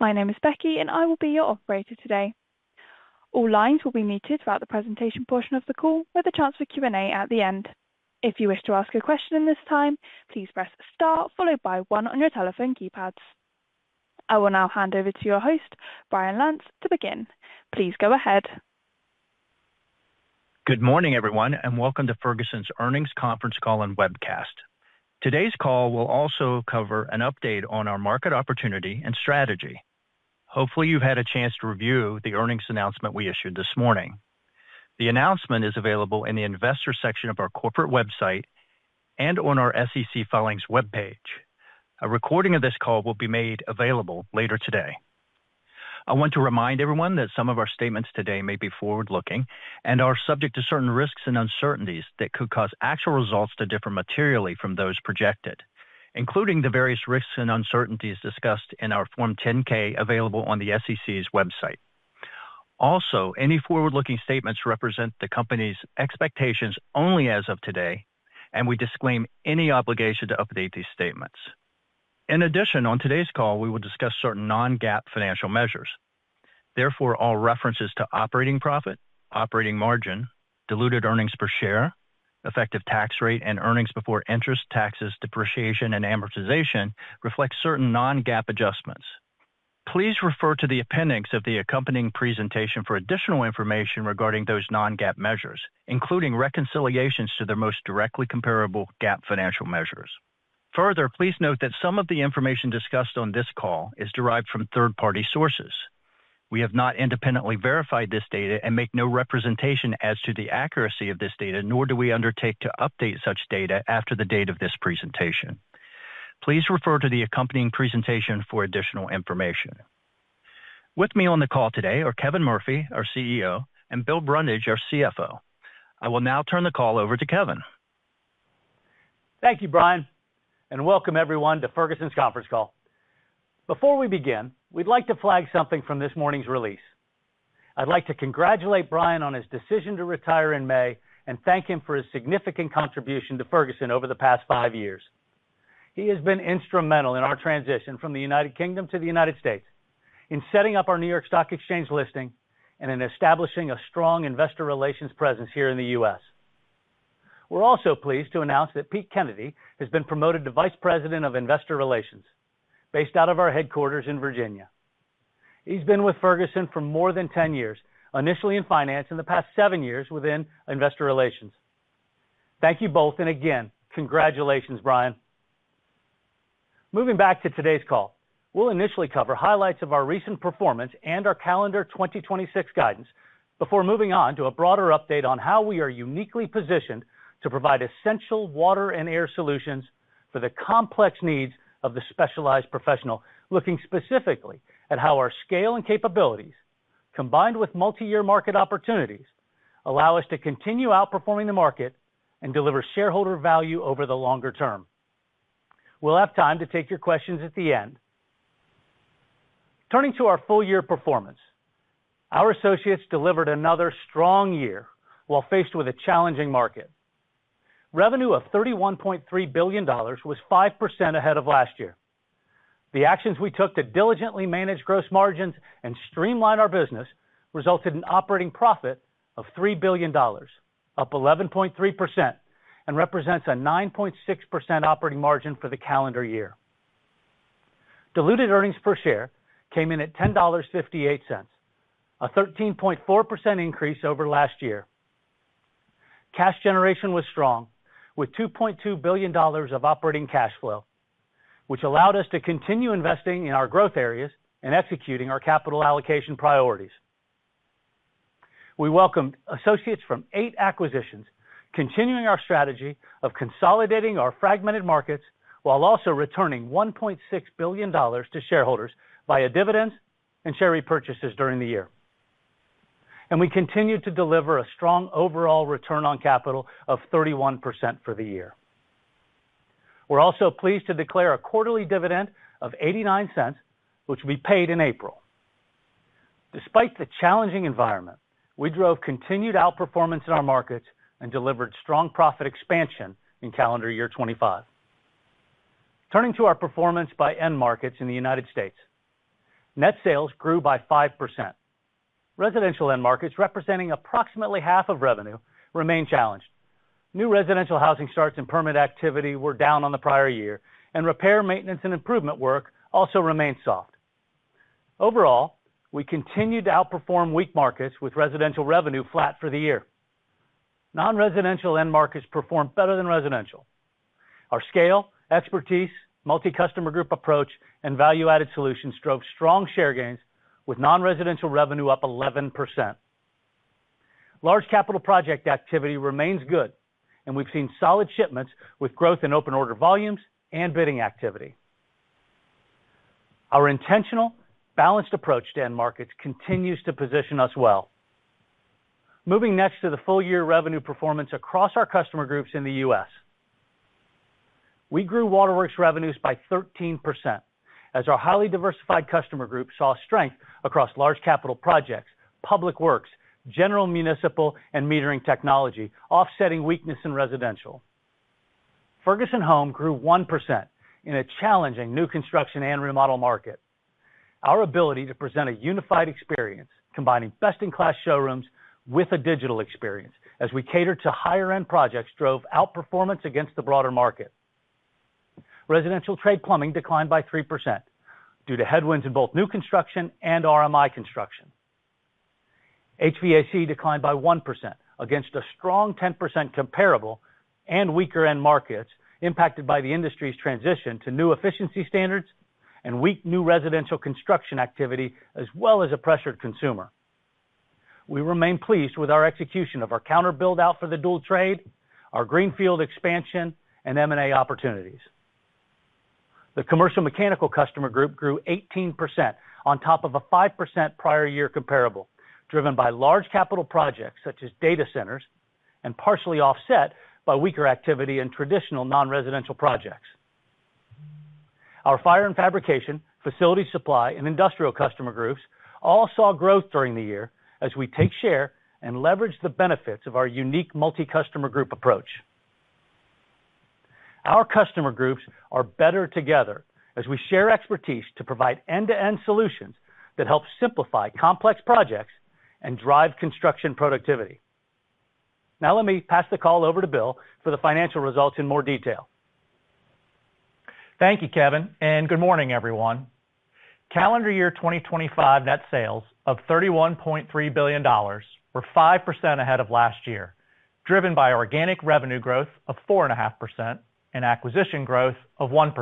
My name is Becky, and I will be your operator today. All lines will be muted throughout the presentation portion of the call, with a chance for Q&A at the end. If you wish to ask a question in this time, please press star, followed by one on your telephone keypads. I will now hand over to your host, Brian Lantz, to begin. Please go ahead. Good morning, everyone, and welcome to Ferguson's Earnings Conference Call and Webcast. Today's call will also cover an update on our market opportunity and strategy. Hopefully, you've had a chance to review the earnings announcement we issued this morning. The announcement is available in the investor section of our corporate website and on our SEC Filings webpage. A recording of this call will be made available later today. I want to remind everyone that some of our statements today may be forward-looking and are subject to certain risks and uncertainties that could cause actual results to differ materially from those projected, including the various risks and uncertainties discussed in our Form 10-K, available on the SEC's website. Any forward-looking statements represent the company's expectations only as of today, and we disclaim any obligation to update these statements. In addition, on today's call, we will discuss certain non-GAAP financial measures. All references to operating profit, operating margin, diluted earnings per share, effective tax rate, and earnings before interest, taxes, depreciation, and amortization reflect certain non-GAAP adjustments. Please refer to the appendix of the accompanying presentation for additional information regarding those non-GAAP measures, including reconciliations to their most directly comparable GAAP financial measures. Please note that some of the information discussed on this call is derived from third-party sources. We have not independently verified this data and make no representation as to the accuracy of this data, nor do we undertake to update such data after the date of this presentation. Please refer to the accompanying presentation for additional information. With me on the call today are Kevin Murphy, our CEO, and Bill Brundage, our CFO. I will now turn the call over to Kevin. Thank you, Brian. Welcome everyone to Ferguson's conference call. Before we begin, we'd like to flag something from this morning's release. I'd like to congratulate Brian on his decision to retire in May and thank him for his significant contribution to Ferguson over the past five years. He has been instrumental in our transition from the United Kingdom to the United States, in setting up our New York Stock Exchange listing, and in establishing a strong Investor Relations presence here in the U.S. We're also pleased to announce that Pete Kennedy has been promoted to Vice President of Investor Relations, based out of our headquarters in Virginia. He's been with Ferguson for more than 10 years, initially in finance, in the past seven years within Investor Relations. Thank you both. Again, congratulations, Brian. Moving back to today's call, we'll initially cover highlights of our recent performance and our calendar 2026 guidance before moving on to a broader update on how we are uniquely positioned to provide essential water and air solutions for the complex needs of the specialized professional, looking specifically at how our scale and capabilities, combined with multi-year market opportunities, allow us to continue outperforming the market and deliver shareholder value over the longer term. We'll have time to take your questions at the end. Turning to our full year performance, our associates delivered another strong year while faced with a challenging market. Revenue of $31.3 billion was 5% ahead of last year. The actions we took to diligently manage gross margins and streamline our business resulted in operating profit of $3 billion, up 11.3% and represents a 9.6% operating margin for the calendar year. Diluted earnings per share came in at $10.58, a 13.4 increase over last year. Cash generation was strong, with $2.2 billion of operating cash flow, which allowed us to continue investing in our growth areas and executing our capital allocation priorities. We welcomed associates from eight acquisitions, continuing our strategy of consolidating our fragmented markets, while also returning $1.6 billion to shareholders via dividends and share repurchases during the year. We continued to deliver a strong overall return on capital of 31% for the year. We're also pleased to declare a quarterly dividend of $0.89, which will be paid in April. Despite the challenging environment, we drove continued outperformance in our markets and delivered strong profit expansion in calendar year 2025. Turning to our performance by end markets in the United States, net sales grew by 5%. Residential end markets, representing approximately half of revenue, remain challenged. New residential housing starts and permit activity were down on the prior year, and repair, maintenance, and improvement work also remained soft. Overall, we continued to outperform weak markets, with residential revenue flat for the year. Non-residential end markets performed better than residential. Our scale, expertise, multi-customer group approach, and value-added solutions drove strong share gains, with non-residential revenue up 11%. Large capital project activity remains good, and we've seen solid shipments with growth in open order volumes and bidding activity. Our intentional, balanced approach to end markets continues to position us well. Moving next to the full-year revenue performance across our customer groups in the U.S. We grew Waterworks revenues by 13% as our highly diversified customer group saw strength across large capital projects, public works, general, municipal, and metering technology, offsetting weakness in residential. Ferguson Home grew 1% in a challenging new construction and remodel market. Our ability to present a unified experience, combining best-in-class showrooms with a digital experience as we cater to higher-end projects, drove outperformance against the broader market. Residential trade plumbing declined by 3% due to headwinds in both new construction and RMI construction. HVAC declined by 1% against a strong 10% comparable and weaker end markets, impacted by the industry's transition to new efficiency standards and weak new residential construction activity, as well as a pressured consumer. We remain pleased with our execution of our counter build-out for the dual trade, our greenfield expansion, and M&A opportunities. The commercial mechanical customer group grew 18% on top of a 5% prior year comparable, driven by large capital projects such as data centers, and partially offset by weaker activity in traditional non-residential projects. Our fire and fabrication, facility supply, and industrial customer groups all saw growth during the year as we take share and leverage the benefits of our unique multi-customer group approach. Our customer groups are better together as we share expertise to provide end-to-end solutions that help simplify complex projects and drive construction productivity. Now, let me pass the call over to Bill for the financial results in more detail. Thank you, Kevin. Good morning, everyone. Calendar year 2025 net sales of $31.3 billion were 5% ahead of last year, driven by organic revenue growth of 4.5% and acquisition growth of 1%,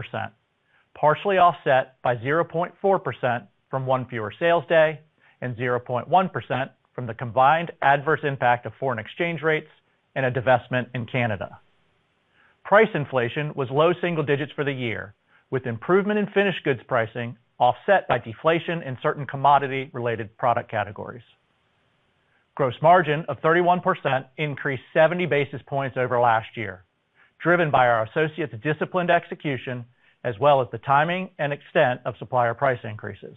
partially offset by 0.4% from one fewer sales day and 0.1% from the combined adverse impact of foreign exchange rates and a divestment in Canada. Price inflation was low single digits for the year, with improvement in finished goods pricing offset by deflation in certain commodity-related product categories. Gross margin of 31% increased 70 basis points over last year, driven by our associates' disciplined execution, as well as the timing and extent of supplier price increases.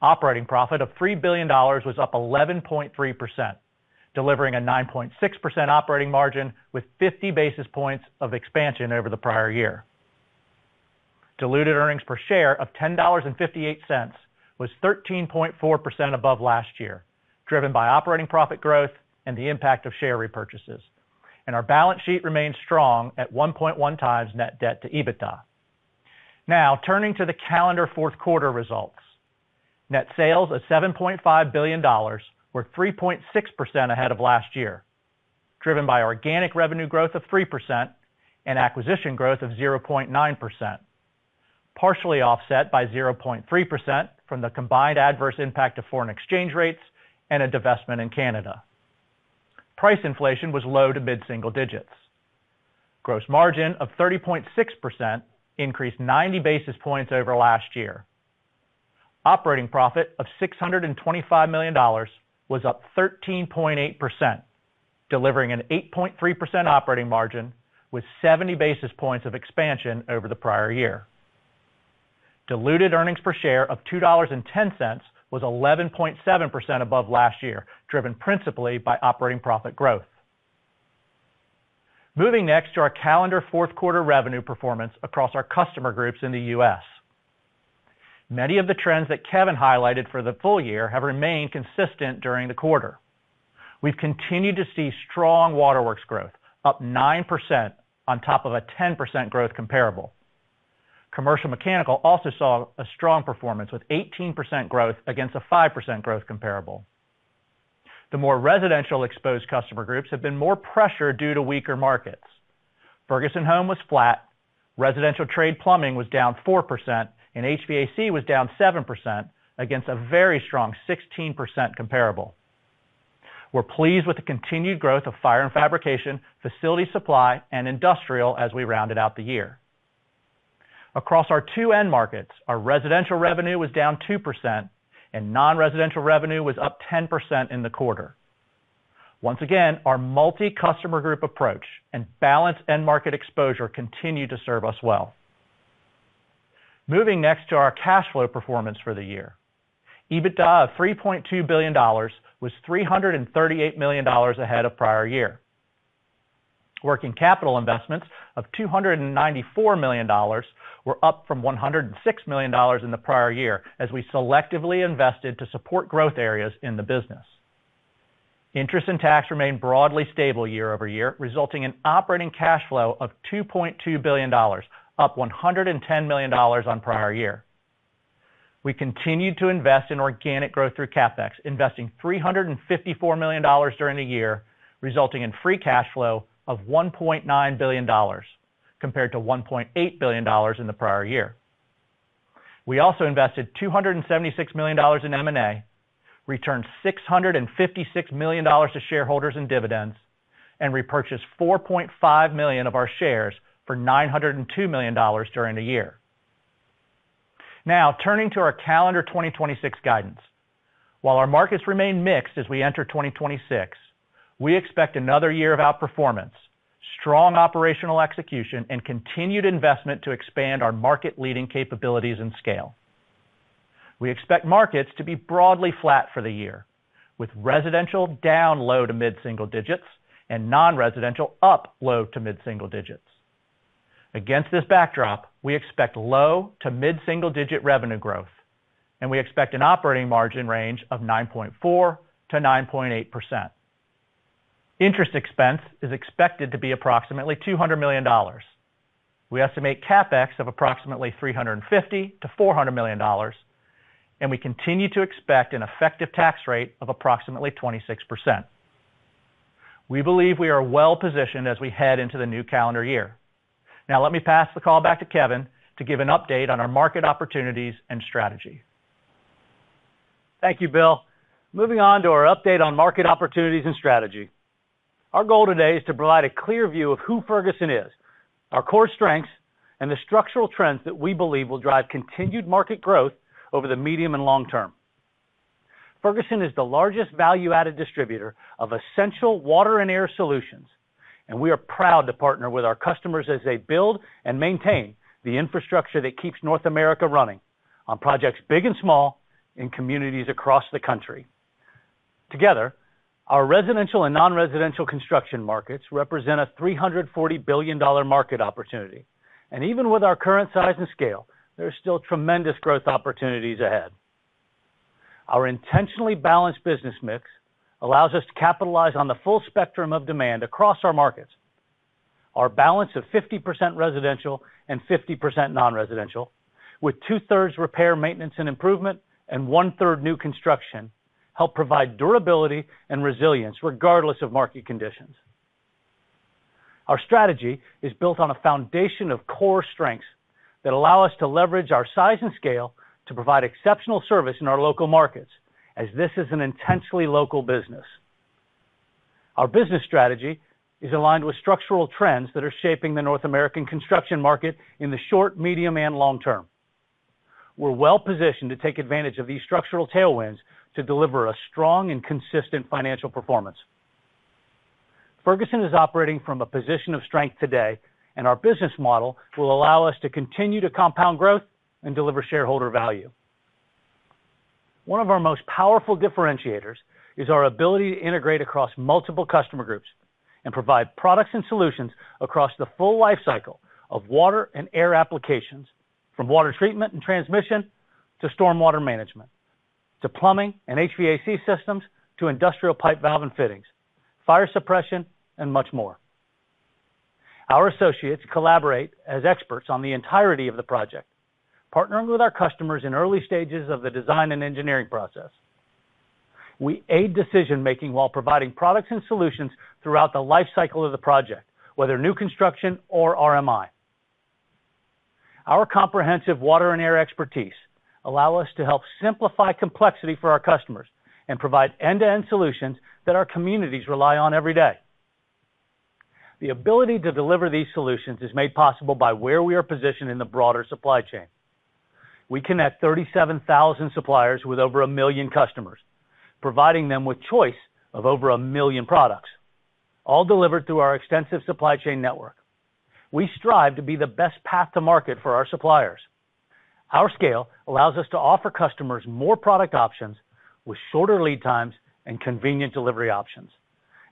Operating profit of $3 billion was up 11.3%, delivering a 9.6% operating margin with 50 basis points of expansion over the prior year. Diluted earnings per share of $10.58 was 13.4% above last year, driven by operating profit growth and the impact of share repurchases. Our balance sheet remains strong at 1.1 times net debt to EBITDA. Turning to the calendar fourth quarter results. Net sales of $7.5 billion were 3.6% ahead of last year, driven by organic revenue growth of 3% and acquisition growth of 0.9%, partially offset by 0.3% from the combined adverse impact of foreign exchange rates and a divestment in Canada. Price inflation was low to mid-single digits. Gross margin of 30.6% increased 90 basis points over last year. Operating profit of $625 million was up 13.8%, delivering an 8.3% operating margin with 70 basis points of expansion over the prior year. Diluted earnings per share of $2.10 was 11.7% above last year, driven principally by operating profit growth. Moving next to our calendar fourth quarter revenue performance across our customer groups in the U.S. Many of the trends that Kevin highlighted for the full year have remained consistent during the quarter. We've continued to see strong Waterworks growth, up 9% on top of a 10% growth comparable. Commercial mechanical also saw a strong performance, with 18% growth against a 5% growth comparable. The more residential-exposed customer groups have been more pressured due to weaker markets. Ferguson Home was flat, residential trade plumbing was down 4%, and HVAC was down 7% against a very strong 16% comparable. We're pleased with the continued growth of fire and fabrication, facility supply, and industrial as we rounded out the year. Across our two end markets, our residential revenue was down 2%, and non-residential revenue was up 10% in the quarter. Once again, our multi-customer group approach and balanced end market exposure continue to serve us well. Moving next to our cash flow performance for the year. EBITDA of $3.2 billion was $338 million ahead of prior year. Working capital investments of $294 million were up from $106 million in the prior year, as we selectively invested to support growth areas in the business. Interest and tax remained broadly stable year-over-year, resulting in operating cash flow of $2.2 billion, up $110 million on prior year. We continued to invest in organic growth through CapEx, investing $354 million during the year, resulting in free cash flow of $1.9 billion, compared to $1.8 billion in the prior year. We also invested $276 million in M&A, returned $656 million to shareholders in dividends, and repurchased 4.5 million of our shares for $902 million during the year. Turning to our calendar 2026 guidance. While our markets remain mixed as we enter 2026, we expect another year of outperformance, strong operational execution, and continued investment to expand our market-leading capabilities and scale. We expect markets to be broadly flat for the year, with residential down low to mid-single digits and non-residential up low to mid-single digits. Against this backdrop, we expect low to mid-single-digit revenue growth, and we expect an operating margin range of 9.4%-9.8%. Interest expense is expected to be approximately $200 million. We estimate CapEx of approximately $350 million-$400 million, and we continue to expect an effective tax rate of approximately 26%. We believe we are well positioned as we head into the new calendar year. Now, let me pass the call back to Kevin to give an update on our market opportunities and strategy. Thank you, Bill. Moving on to our update on market opportunities and strategy. Our goal today is to provide a clear view of who Ferguson is, our core strengths, and the structural trends that we believe will drive continued market growth over the medium and long term. Ferguson is the largest value-added distributor of essential water and air solutions. We are proud to partner with our customers as they build and maintain the infrastructure that keeps North America running on projects big and small, in communities across the country. Together, our residential and non-residential construction markets represent a $340 billion market opportunity. Even with our current size and scale, there are still tremendous growth opportunities ahead. Our intentionally balanced business mix allows us to capitalize on the full spectrum of demand across our markets. Our balance of 50% residential and 50% non-residential, with 2/3 repair, maintenance, and improvement and 1/3 new construction, help provide durability and resilience regardless of market conditions. Our strategy is built on a foundation of core strengths that allow us to leverage our size and scale to provide exceptional service in our local markets, as this is an intensely local business. Our business strategy is aligned with structural trends that are shaping the North American construction market in the short, medium, and long term. We're well-positioned to take advantage of these structural tailwinds to deliver a strong and consistent financial performance. Ferguson is operating from a position of strength today, and our business model will allow us to continue to compound growth and deliver shareholder value. One of our most powerful differentiators is our ability to integrate across multiple customer groups and provide products and solutions across the full life cycle of water and air applications, from water treatment and transmission to stormwater management, to plumbing and HVAC systems, to industrial pipe, valve, and fittings, fire suppression, and much more. Our associates collaborate as experts on the entirety of the project, partnering with our customers in early stages of the design and engineering process. We aid decision-making while providing products and solutions throughout the life cycle of the project, whether new construction or RMI. Our comprehensive water and air expertise allow us to help simplify complexity for our customers and provide end-to-end solutions that our communities rely on every day. The ability to deliver these solutions is made possible by where we are positioned in the broader supply chain. We connect 37,000 suppliers with over 1 million customers, providing them with choice of over 1 million products, all delivered through our extensive supply chain network. We strive to be the best path to market for our suppliers. Our scale allows us to offer customers more product options with shorter lead times and convenient delivery options.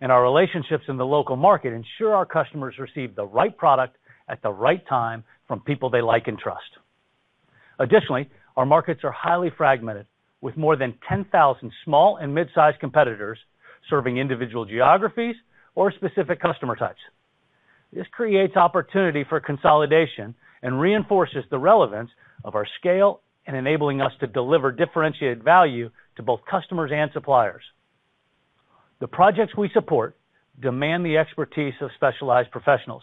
Our relationships in the local market ensure our customers receive the right product at the right time from people they like and trust. Additionally, our markets are highly fragmented, with more than 10,000 small and mid-sized competitors serving individual geographies or specific customer types. This creates opportunity for consolidation and reinforces the relevance of our scale in enabling us to deliver differentiated value to both customers and suppliers. The projects we support demand the expertise of specialized professionals,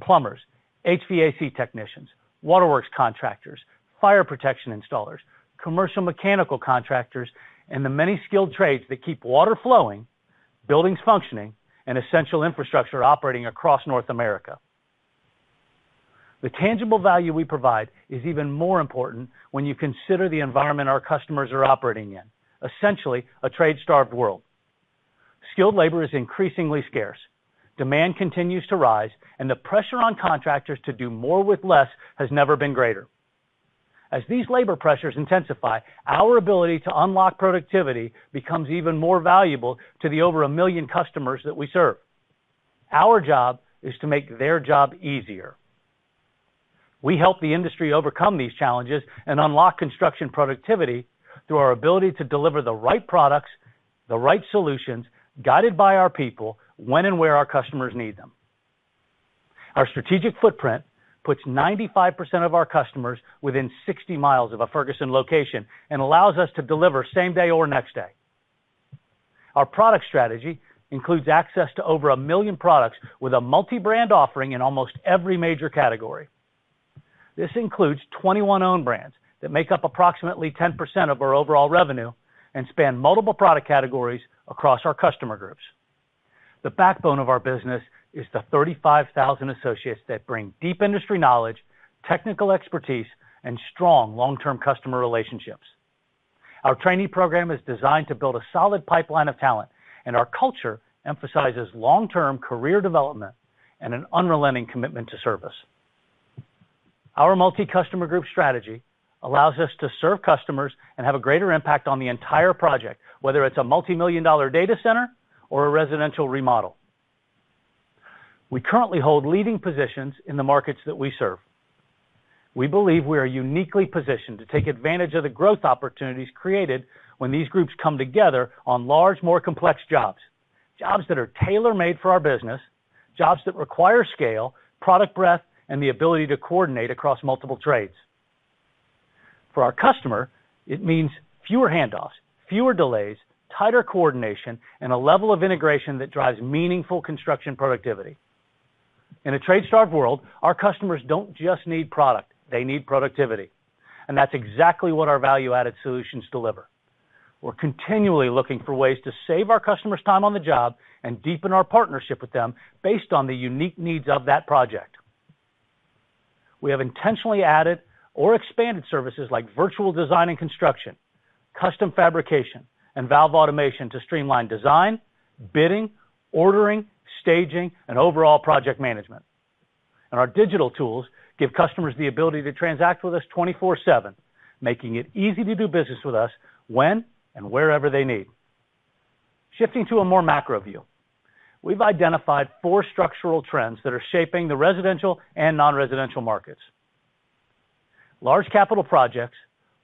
plumbers, HVAC technicians, waterworks contractors, fire protection installers, commercial mechanical contractors, and the many skilled trades that keep water flowing, buildings functioning, and essential infrastructure operating across North America. The tangible value we provide is even more important when you consider the environment our customers are operating in, essentially, a trade-starved world. Skilled labor is increasingly scarce. Demand continues to rise, and the pressure on contractors to do more with less has never been greater. As these labor pressures intensify, our ability to unlock productivity becomes even more valuable to the over a million customers that we serve. Our job is to make their job easier. We help the industry overcome these challenges and unlock construction productivity through our ability to deliver the right products, the right solutions, guided by our people, when and where our customers need them. Our strategic footprint puts 95% of our customers within 60 miles of a Ferguson location and allows us to deliver same day or next day. Our product strategy includes access to over 1 million products with a multi-brand offering in almost every major category. This includes 21 own brands that make up approximately 10% of our overall revenue and span multiple product categories across our customer groups. The backbone of our business is the 35,000 associates that bring deep industry knowledge, technical expertise, and strong long-term customer relationships. Our trainee program is designed to build a solid pipeline of talent, and our culture emphasizes long-term career development and an unrelenting commitment to service. Our multi-customer group strategy allows us to serve customers and have a greater impact on the entire project, whether it's a multi million-dollar data center or a residential remodel. We currently hold leading positions in the markets that we serve. We believe we are uniquely positioned to take advantage of the growth opportunities created when these groups come together on large, more complex jobs that are tailor-made for our business, jobs that require scale, product breadth, and the ability to coordinate across multiple trades. For our customer, it means fewer handoffs, fewer delays, tighter coordination, and a level of integration that drives meaningful construction productivity. In a trade-starved world, our customers don't just need product, they need productivity, and that's exactly what our value-added solutions deliver. We're continually looking for ways to save our customers time on the job and deepen our partnership with them based on the unique needs of that project. We have intentionally added or expanded services like virtual design and construction, custom fabrication, and valve automation to streamline design, bidding, ordering, staging, and overall project management. Our digital tools give customers the ability to transact with us 24/7, making it easy to do business with us when and wherever they need. Shifting to a more macro view, we've identified four structural trends that are shaping the residential and non-residential markets. Large capital projects,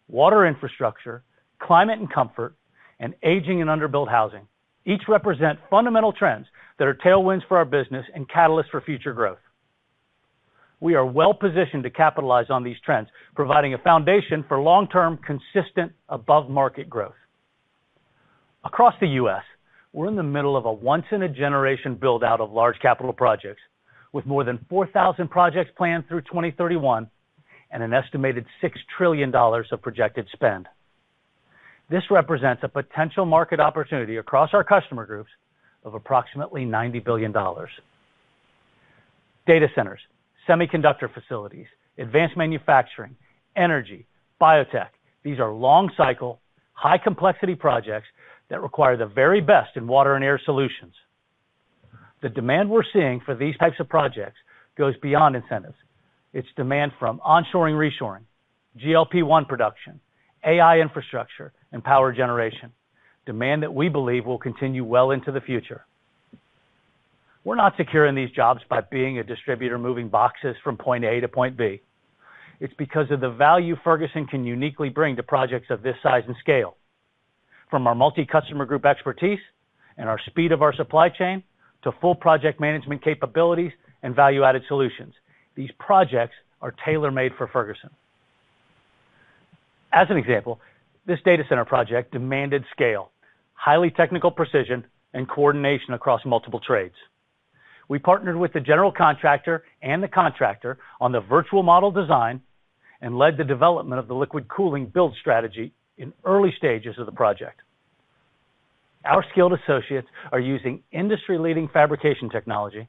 water infrastructure, climate and comfort, and aging and underbuilt housing, each represent fundamental trends that are tailwinds for our business and catalysts for future growth. We are well positioned to capitalize on these trends, providing a foundation for long-term, consistent, above-market growth. Across the U.S., we're in the middle of a once-in-a-generation build-out of large capital projects, with more than 4,000 projects planned through 2031 and an estimated $6 trillion of projected spend. This represents a potential market opportunity across our customer groups of approximately $90 billion. Data centers, semiconductor facilities, advanced manufacturing, energy, biotech. These are long-cycle, high-complexity projects that require the very best in water and air solutions. The demand we're seeing for these types of projects goes beyond incentives. It's demand from onshoring, reshoring, GLP-1 production, AI infrastructure, and power generation, demand that we believe will continue well into the future. We're not securing these jobs by being a distributor, moving boxes from point A to point B. It's because of the value Ferguson can uniquely bring to projects of this size and scale. From our multi-customer group expertise and our speed of our supply chain to full project management capabilities and value-added solutions. These projects are tailor-made for Ferguson. As an example, this data center project demanded scale, highly technical precision, and coordination across multiple trades. We partnered with the general contractor and the contractor on the virtual model design and led the development of the liquid cooling build strategy in early stages of the project. Our skilled associates are using industry-leading fabrication technology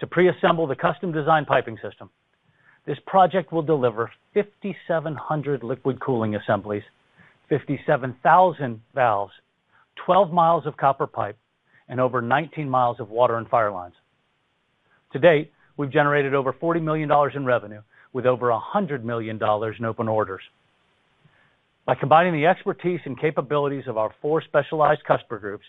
to preassemble the custom design piping system. This project will deliver 5,700 liquid cooling assemblies, 57,000 valves, 12 mi of copper pipe, and over 19 mi of water and fire lines. To date, we've generated over $40 million in revenue, with over $100 million in open orders. By combining the expertise and capabilities of our four specialized customer groups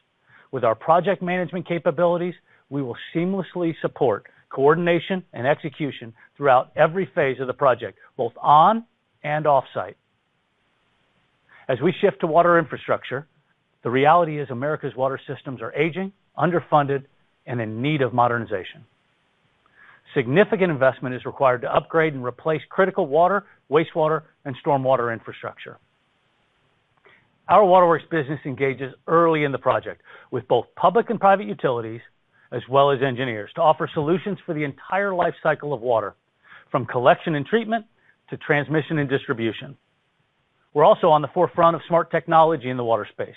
with our project management capabilities, we will seamlessly support coordination and execution throughout every phase of the project, both on and off-site. As we shift to water infrastructure, the reality is America's water systems are aging, underfunded, and in need of modernization. Significant investment is required to upgrade and replace critical water, wastewater, and stormwater infrastructure. Our Waterworks business engages early in the project with both public and private utilities, as well as engineers, to offer solutions for the entire life cycle of water, from collection and treatment to transmission and distribution. We're also on the forefront of smart technology in the water space,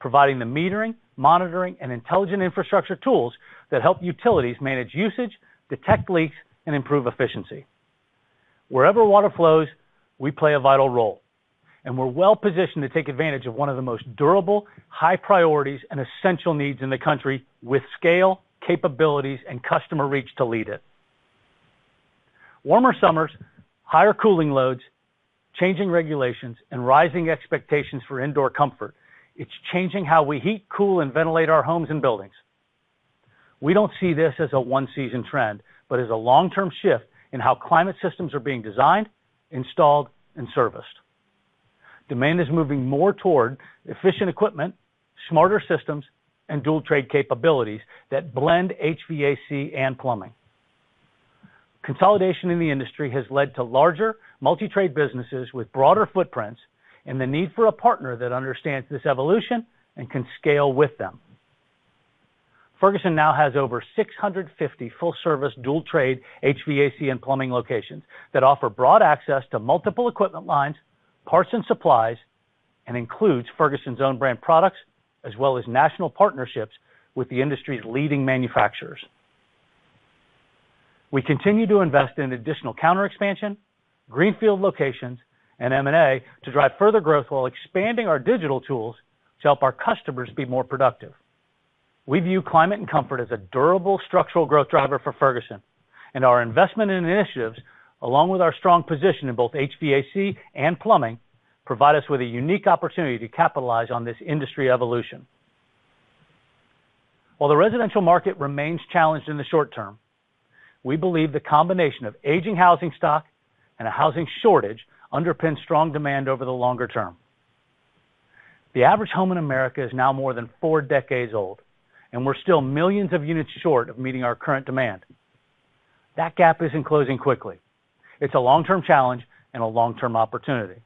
providing the metering, monitoring, and intelligent infrastructure tools that help utilities manage usage, detect leaks, and improve efficiency. Wherever water flows, we play a vital role, and we're well positioned to take advantage of one of the most durable, high priorities, and essential needs in the country with scale, capabilities, and customer reach to lead it. Warmer summers, higher cooling loads, changing regulations, and rising expectations for indoor comfort. It's changing how we heat, cool, and ventilate our homes and buildings. We don't see this as a one-season trend, but as a long-term shift in how climate systems are being designed, installed, and serviced. Demand is moving more toward efficient equipment, smarter systems, and dual trade capabilities that blend HVAC and plumbing. Consolidation in the industry has led to larger multi-trade businesses with broader footprints and the need for a partner that understands this evolution and can scale with them. Ferguson now has over 650 full-service, dual trade, HVAC, and plumbing locations that offer broad access to multiple equipment lines, parts, and supplies, and includes Ferguson's own brand products, as well as national partnerships with the industry's leading manufacturers. We continue to invest in additional counter expansion, greenfield locations, and M&A to drive further growth while expanding our digital tools to help our customers be more productive. We view climate and comfort as a durable structural growth driver for Ferguson, and our investment initiatives, along with our strong position in both HVAC and plumbing, provide us with a unique opportunity to capitalize on this industry evolution. While the residential market remains challenged in the short term, we believe the combination of aging housing stock and a housing shortage underpins strong demand over the longer term. The average home in America is now more than four decades old, and we're still millions of units short of meeting our current demand. That gap isn't closing quickly. It's a long-term challenge and a long-term opportunity.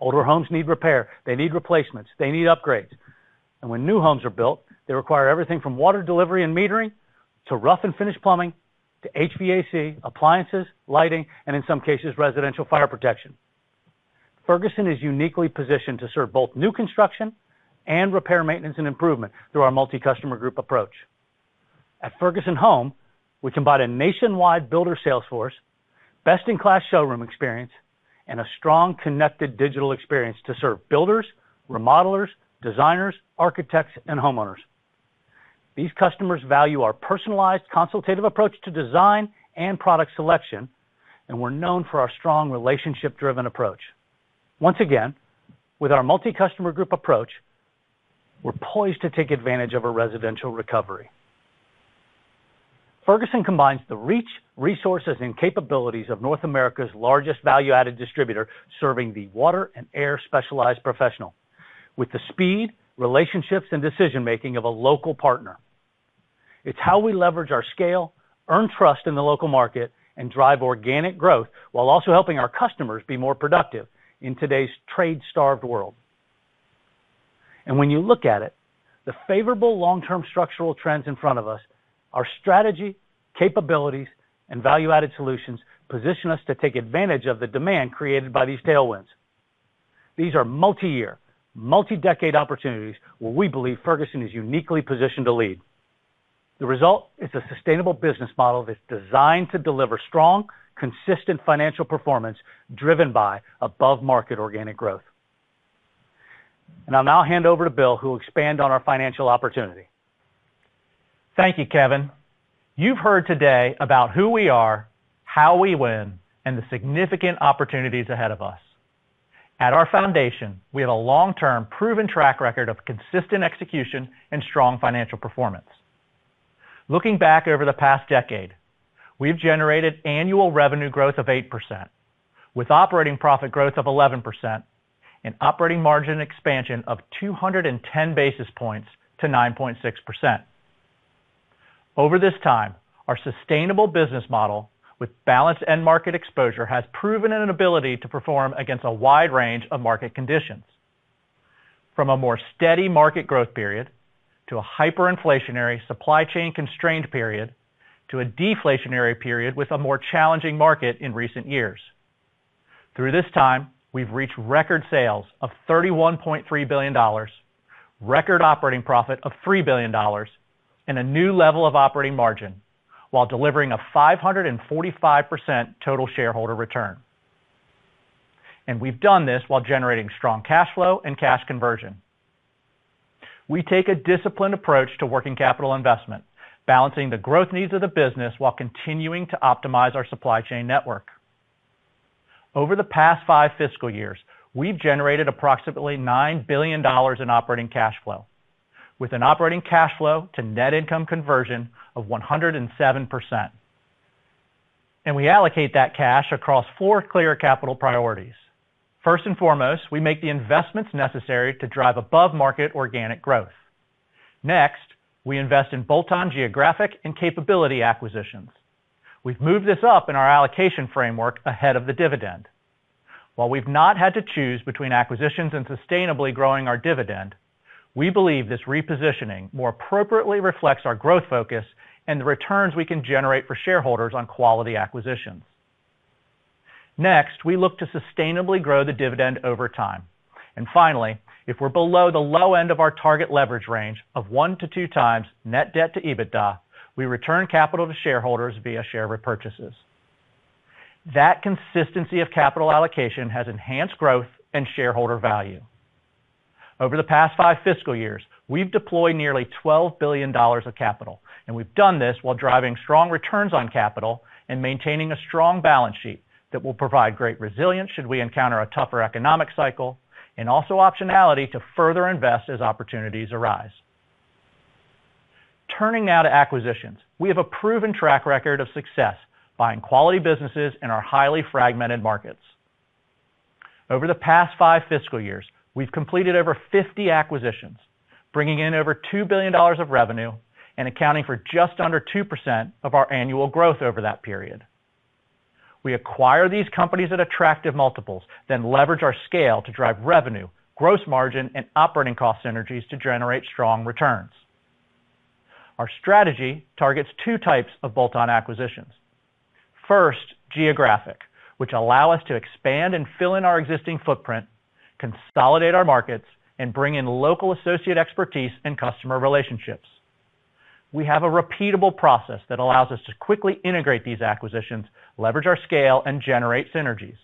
Older homes need repair, they need replacements, they need upgrades, and when new homes are built, they require everything from water delivery and metering to rough and finish plumbing, to HVAC, appliances, lighting, and in some cases, residential fire protection. Ferguson is uniquely positioned to serve both new construction and repair, maintenance, and improvement through our multi-customer group approach. At Ferguson Home, we combine a nationwide builder sales force, best-in-class showroom experience, and a strong, connected digital experience to serve builders, remodelers, designers, architects, and homeowners. These customers value our personalized, consultative approach to design and product selection, and we're known for our strong relationship-driven approach. Once again, with our multi-customer group approach, we're poised to take advantage of a residential recovery. Ferguson combines the reach, resources, and capabilities of North America's largest value-added distributor, serving the water and air specialized professional, with the speed, relationships, and decision-making of a local partner. It's how we leverage our scale, earn trust in the local market, and drive organic growth while also helping our customers be more productive in today's trade-starved world. When you look at it, the favorable long-term structural trends in front of us, our strategy, capabilities, and value-added solutions position us to take advantage of the demand created by these tailwinds. These are multiyear, multi-decade opportunities where we believe Ferguson is uniquely positioned to lead. The result is a sustainable business model that's designed to deliver strong, consistent financial performance, driven by above-market organic growth. I'll now hand over to Bill, who will expand on our financial opportunity. Thank you, Kevin. You've heard today about who we are, how we win, and the significant opportunities ahead of us. At our foundation, we have a long-term, proven track record of consistent execution and strong financial performance. Looking back over the past decade, we've generated annual revenue growth of 8%, with operating profit growth of 11% and operating margin expansion of 210 basis points to 9.6%. Over this time, our sustainable business model, with balanced end market exposure, has proven an ability to perform against a wide range of market conditions, from a more steady market growth period to a hyperinflationary, supply chain constrained period, to a deflationary period with a more challenging market in recent years. Through this time, we've reached record sales of $31.3 billion, record operating profit of $3 billion, and a new level of operating margin, while delivering a 545% total shareholder return. We've done this while generating strong cash flow and cash conversion. We take a disciplined approach to working capital investment, balancing the growth needs of the business while continuing to optimize our supply chain network. Over the past five fiscal years, we've generated approximately $9 billion in operating cash flow, with an operating cash flow to net income conversion of 107%. We allocate that cash across four clear capital priorities. First and foremost, we make the investments necessary to drive above-market organic growth. Next, we invest in bolt-on geographic and capability acquisitions. We've moved this up in our allocation framework ahead of the dividend. While we've not had to choose between acquisitions and sustainably growing our dividend, we believe this repositioning more appropriately reflects our growth focus and the returns we can generate for shareholders on quality acquisitions. Next, we look to sustainably grow the dividend over time. Finally, if we're below the low end of our target leverage range of one to two times net debt to EBITDA, we return capital to shareholders via share repurchases. That consistency of capital allocation has enhanced growth and shareholder value. Over the past five fiscal years, we've deployed nearly $12 billion of capital, and we've done this while driving strong returns on capital and maintaining a strong balance sheet that will provide great resilience should we encounter a tougher economic cycle, and also optionality to further invest as opportunities arise. Turning now to acquisitions. We have a proven track record of success buying quality businesses in our highly fragmented markets. Over the past five fiscal years, we've completed over 50 acquisitions, bringing in over $2 billion of revenue and accounting for just under 2% of our annual growth over that period. We acquire these companies at attractive multiples, then leverage our scale to drive revenue, gross margin, and operating cost synergies to generate strong returns. Our strategy targets two types of bolt-on acquisitions. First, geographic, which allow us to expand and fill in our existing footprint, consolidate our markets, and bring in local associate expertise and customer relationships. We have a repeatable process that allows us to quickly integrate these acquisitions, leverage our scale, and generate synergies.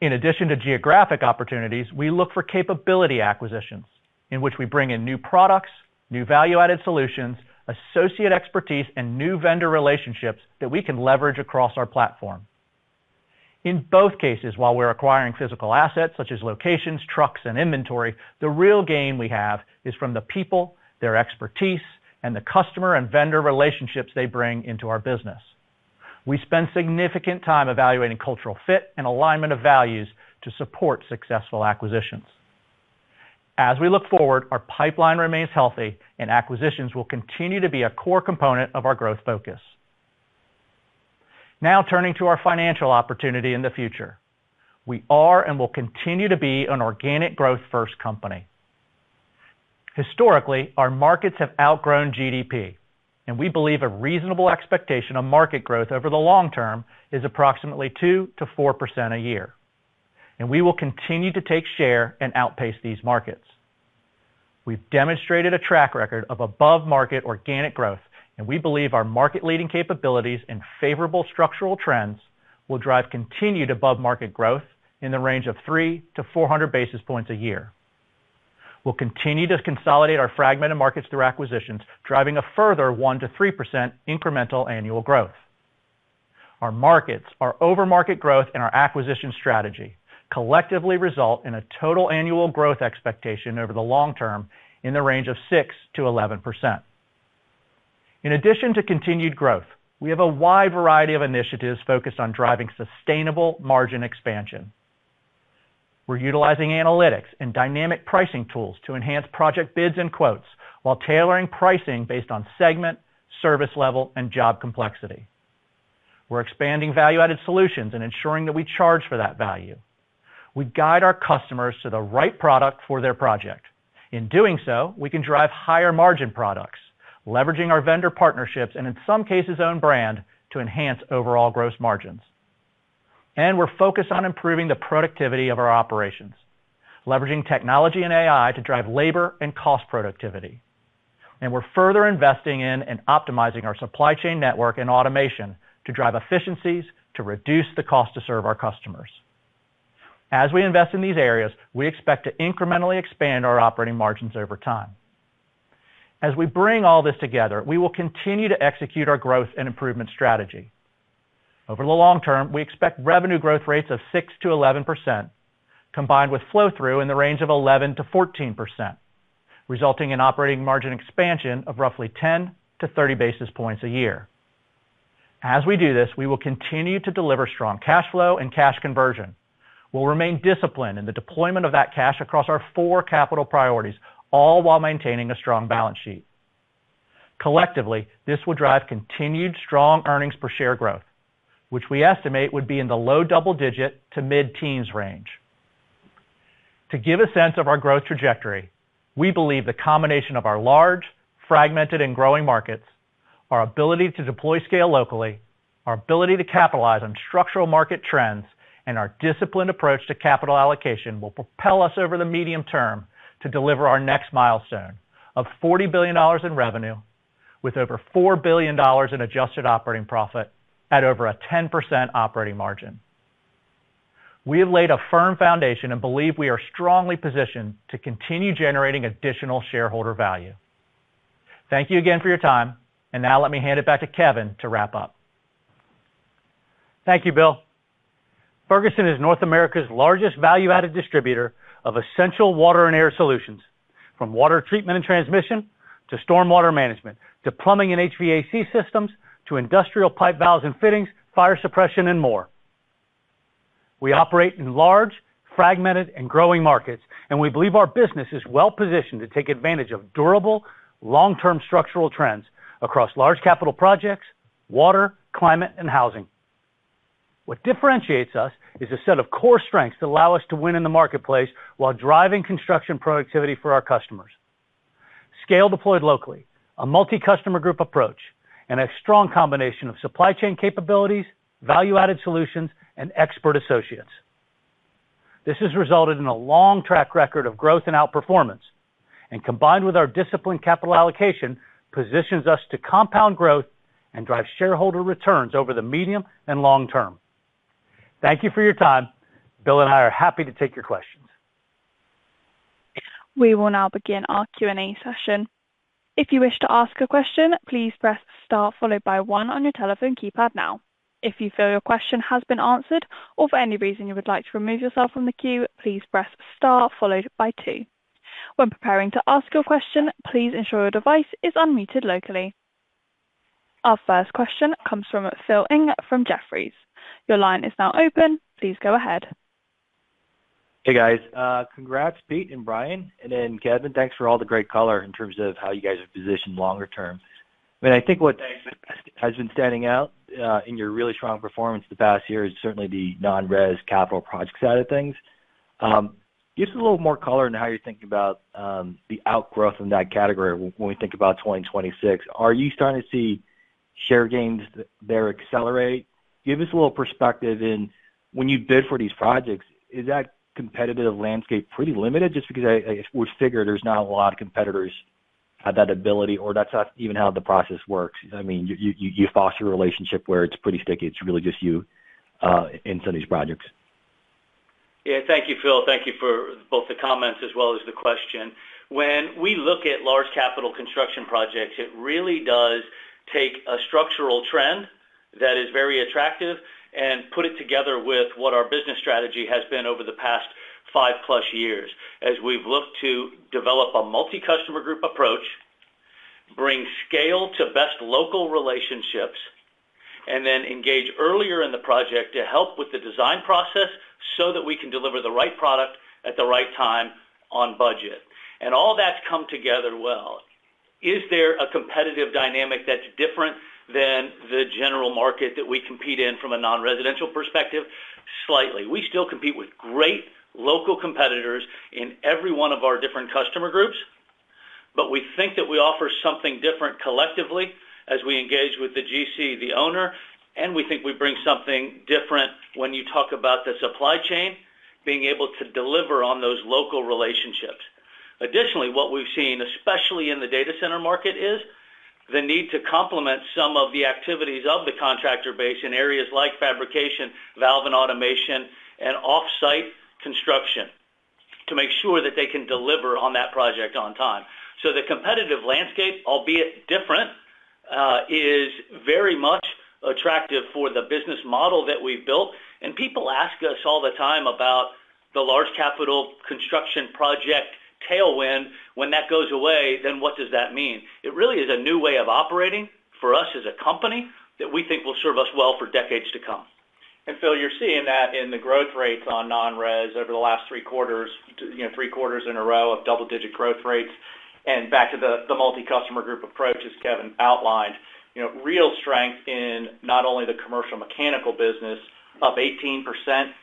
In addition to geographic opportunities, we look for capability acquisitions, in which we bring in new products, new value-added solutions, associate expertise, and new vendor relationships that we can leverage across our platform. In both cases, while we're acquiring physical assets, such as locations, trucks, and inventory, the real gain we have is from the people, their expertise, and the customer and vendor relationships they bring into our business. We spend significant time evaluating cultural fit and alignment of values to support successful acquisitions. As we look forward, our pipeline remains healthy, and acquisitions will continue to be a core component of our growth focus. Turning to our financial opportunity in the future. We are, and will continue to be, an organic growth-first company. Historically, our markets have outgrown GDP. We believe a reasonable expectation of market growth over the long term is approximately 2%-4% a year, and we will continue to take share and outpace these markets. We've demonstrated a track record of above-market organic growth. We believe our market-leading capabilities and favorable structural trends will drive continued above-market growth in the range of 300-400 basis points a year. We'll continue to consolidate our fragmented markets through acquisitions, driving a further 1%-3% incremental annual growth. Our markets, our overmarket growth, and our acquisition strategy collectively result in a total annual growth expectation over the long term in the range of 6%-11%. In addition to continued growth, we have a wide variety of initiatives focused on driving sustainable margin expansion. We're utilizing analytics and dynamic pricing tools to enhance project bids and quotes while tailoring pricing based on segment, service level, and job complexity. We're expanding value-added solutions and ensuring that we charge for that value. We guide our customers to the right product for their project. In doing so, we can drive higher-margin products, leveraging our vendor partnerships, and in some cases, own brand, to enhance overall gross margins. We're focused on improving the productivity of our operations, leveraging technology and AI to drive labor and cost productivity. We're further investing in and optimizing our supply chain network and automation to drive efficiencies to reduce the cost to serve our customers. As we invest in these areas, we expect to incrementally expand our operating margins over time. As we bring all this together, we will continue to execute our growth and improvement strategy. Over the long term, we expect revenue growth rates of 6%-11%, combined with flow-through in the range of 11%-14%, resulting in operating margin expansion of roughly 10-30 basis points a year. As we do this, we will continue to deliver strong cash flow and cash conversion. We'll remain disciplined in the deployment of that cash across our four capital priorities, all while maintaining a strong balance sheet. Collectively, this will drive continued strong earnings per share growth, which we estimate would be in the low double digit to mid-teens range. To give a sense of our growth trajectory, we believe the combination of our large, fragmented, and growing markets, our ability to deploy scale locally, our ability to capitalize on structural market trends, and our disciplined approach to capital allocation will propel us over the medium term to deliver our next milestone of $40 billion in revenue with over $4 billion in adjusted operating profit at over a 10% operating margin. We have laid a firm foundation and believe we are strongly positioned to continue generating additional shareholder value. Thank you again for your time, and now let me hand it back to Kevin to wrap up. Thank you, Bill. Ferguson is North America's largest value-added distributor of essential water and air solutions, from water treatment and transmission to stormwater management, to plumbing and HVAC systems, to industrial pipe, valves and fittings, fire suppression, and more. We operate in large, fragmented, and growing markets. We believe our business is well positioned to take advantage of durable, long-term structural trends across large capital projects, water, climate, and housing. What differentiates us is a set of core strengths that allow us to win in the marketplace while driving construction productivity for our customers. Scale deployed locally, a multi-customer group approach, and a strong combination of supply chain capabilities, value-added solutions, and expert associates. This has resulted in a long track record of growth and outperformance, and combined with our disciplined capital allocation, positions us to compound growth and drive shareholder returns over the medium and long term. Thank you for your time. Bill and I are happy to take your questions. We will now begin our Q&A session. If you wish to ask a question, please press star followed by one on your telephone keypad now. If you feel your question has been answered or for any reason you would like to remove yourself from the queue, please press star followed by two. When preparing to ask your question, please ensure your device is unmuted locally. Our first question comes from Philip Ng from Jefferies. Your line is now open. Please go ahead. Hey, guys. Congrats, Pete and Brian, and then Kevin, thanks for all the great color in terms of how you guys are positioned longer term. I mean, I think- Thanks. -has been standing out in your really strong performance the past year is certainly the non-res capital project side of things. Give us a little more color on how you're thinking about the outgrowth in that category when we think about 2026. Are you starting to see share gains there accelerate? Give us a little perspective in when you bid for these projects, is that competitive landscape pretty limited? Just because I would figure there's not a lot of competitors have that ability, or that's not even how the process works. I mean, you foster a relationship where it's pretty sticky, it's really just you in some of these projects. Yeah, thank you, Phil. Thank you for both the comments as well as the question. When we look at large capital construction projects, it really does take a structural trend that is very attractive and put it together with what our business strategy has been over the past 5+ years, as we've looked to develop a multi-customer group approach, bring scale to best local relationships, and then engage earlier in the project to help with the design process so that we can deliver the right product at the right time on budget. All that's come together well. Is there a competitive dynamic that's different than the general market that we compete in from a non-residential perspective? Slightly. We still compete with great local competitors in every one of our different customer groups. We think that we offer something different collectively as we engage with the GC, the owner, and we think we bring something different when you talk about the supply chain being able to deliver on those local relationships. Additionally, what we've seen, especially in the data center market, is the need to complement some of the activities of the contractor base in areas like fabrication, valve and automation, and offsite construction, to make sure that they can deliver on that project on time. The competitive landscape, albeit different, is very much attractive for the business model that we've built. People ask us all the time about the large capital construction project tailwind. When that goes away, what does that mean? It really is a new way of operating for us as a company that we think will serve us well for decades to come. Phil, you're seeing that in the growth rates on non-res over the last three quarters, you know, three quarters in a row of double-digit growth rates. Back to the multi-customer group approach, as Kevin outlined, you know, real strength in not only the commercial mechanical business, up 18%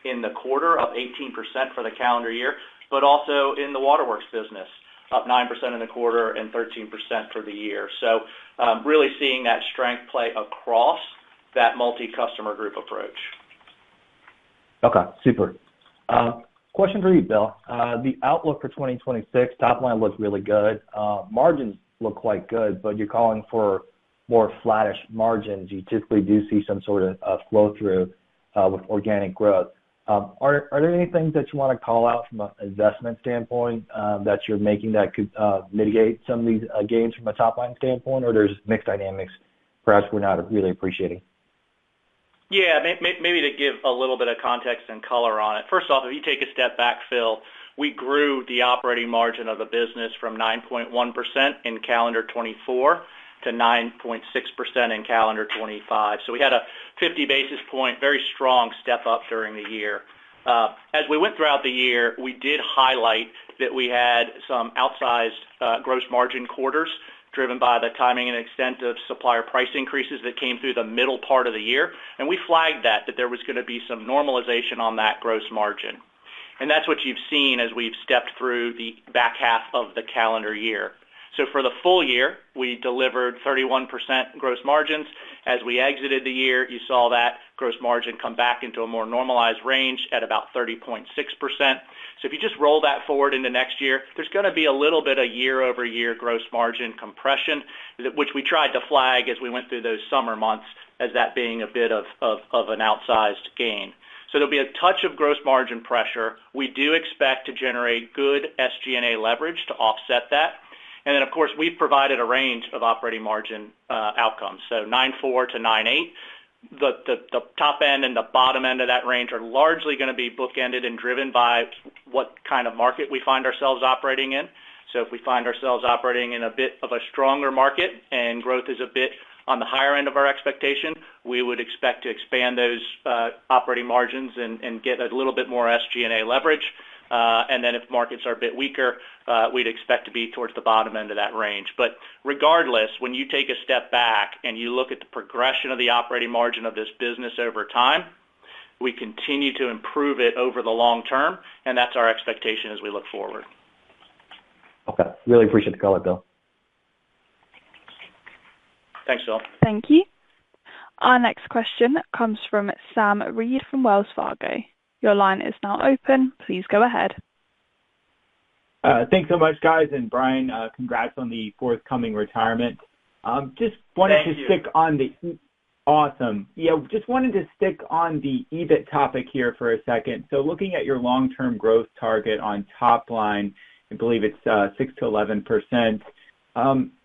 in the quarter, up 18% for the calendar year, but also in the waterworks business, up 9% in the quarter and 13% for the year. Really seeing that strength play across that multi-customer group approach. Okay, super. Question for you, Bill. The outlook for 2026, top line looks really good. Margins look quite good, but you're calling for more flattish margins. You typically do see some sort of flow-through with organic growth. Are there any things that you wanna call out from an investment standpoint that you're making that could mitigate some of these gains from a top-line standpoint, or there's mixed dynamics perhaps we're not really appreciating? Yeah, maybe to give a little bit of context and color on it. First off, if you take a step back, Phil, we grew the operating margin of the business from 9.1% in calendar 2024 to 9.6% in calendar 2025. We had a 50 basis point, very strong step up during the year. As we went throughout the year, we did highlight that we had some outsized gross margin quarters, driven by the timing and extent of supplier price increases that came through the middle part of the year. We flagged that there was gonna be some normalization on that gross margin. That's what you've seen as we've stepped through the back half of the calendar year. For the full year, we delivered 31% gross margins. As we exited the year, you saw that gross margin come back into a more normalized range at about 30.6%. If you just roll that forward into next year, there's gonna be a little bit of year-over-year gross margin compression, which we tried to flag as we went through those summer months, as that being a bit of an outsized gain. There'll be a touch of gross margin pressure. We do expect to generate good SG&A leverage to offset that. Of course, we've provided a range of operating margin outcomes, so 9.4%-9.8%. The top end and the bottom end of that range are largely gonna be bookended and driven by what kind of market we find ourselves operating in. If we find ourselves operating in a bit of a stronger market and growth is a bit on the higher end of our expectation, we would expect to expand those operating margins and get a little bit more SG&A leverage. Then if markets are a bit weaker, we'd expect to be towards the bottom end of that range. Regardless, when you take a step back and you look at the progression of the operating margin of this business over time, we continue to improve it over the long term, and that's our expectation as we look forward. Okay. Really appreciate the color, Bill. Thanks, Phil. Thank you. Our next question comes from Sam Reid from Wells Fargo. Your line is now open. Please go ahead. Thanks so much, guys. Brian, congrats on the forthcoming retirement. Thank you. Awesome. Yeah, just wanted to stick on the EBIT topic here for a second. Looking at your long-term growth target on top line, I believe it's 6%-11%.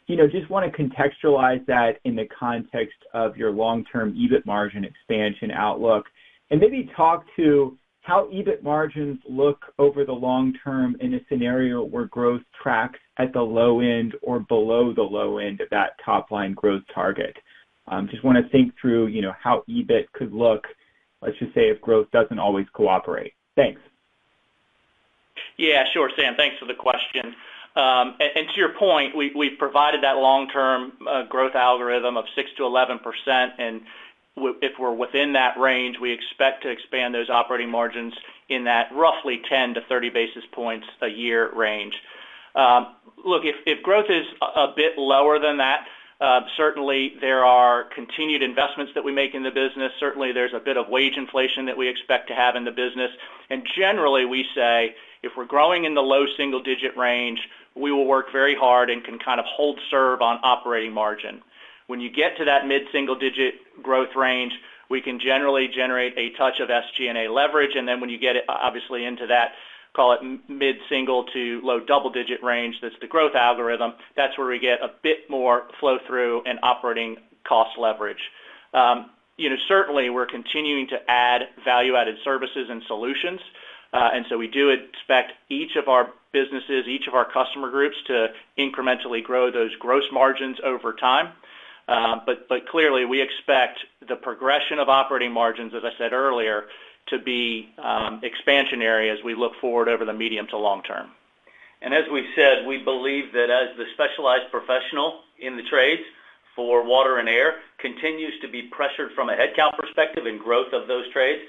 You know, just wanna contextualize that in the context of your long-term EBIT margin expansion outlook, and maybe talk to how EBIT margins look over the long term in a scenario where growth tracks at the low end or below the low end of that top line growth target. Just wanna think through, you know, how EBIT could look, let's just say, if growth doesn't always cooperate. Thanks. Yeah, sure, Sam. Thanks for the question. To your point, we've provided that long-term growth algorithm of 6%-11%, and if we're within that range, we expect to expand those operating margins in that roughly 10-30 basis points a year range. Look, if growth is a bit lower than that, certainly there are continued investments that we make in the business. Certainly, there's a bit of wage inflation that we expect to have in the business. Generally, we say, if we're growing in the low single-digit range, we will work very hard and can kind of hold serve on operating margin. When you get to that mid-single-digit growth range, we can generally generate a touch of SG&A leverage, and then when you get it, obviously into that, call it mid-single-digit to low double-digit range, that's the growth algorithm. That's where we get a bit more flow-through and operating cost leverage. You know, certainly we're continuing to add value-added services and solutions, and so we do expect each of our businesses, each of our customer groups to incrementally grow those gross margins over time. Clearly, we expect the progression of operating margins, as I said earlier, to be expansionary as we look forward over the medium to long term. As we've said, we believe that as the specialized professional in the trades for water and air continues to be pressured from a headcount perspective and growth of those trades,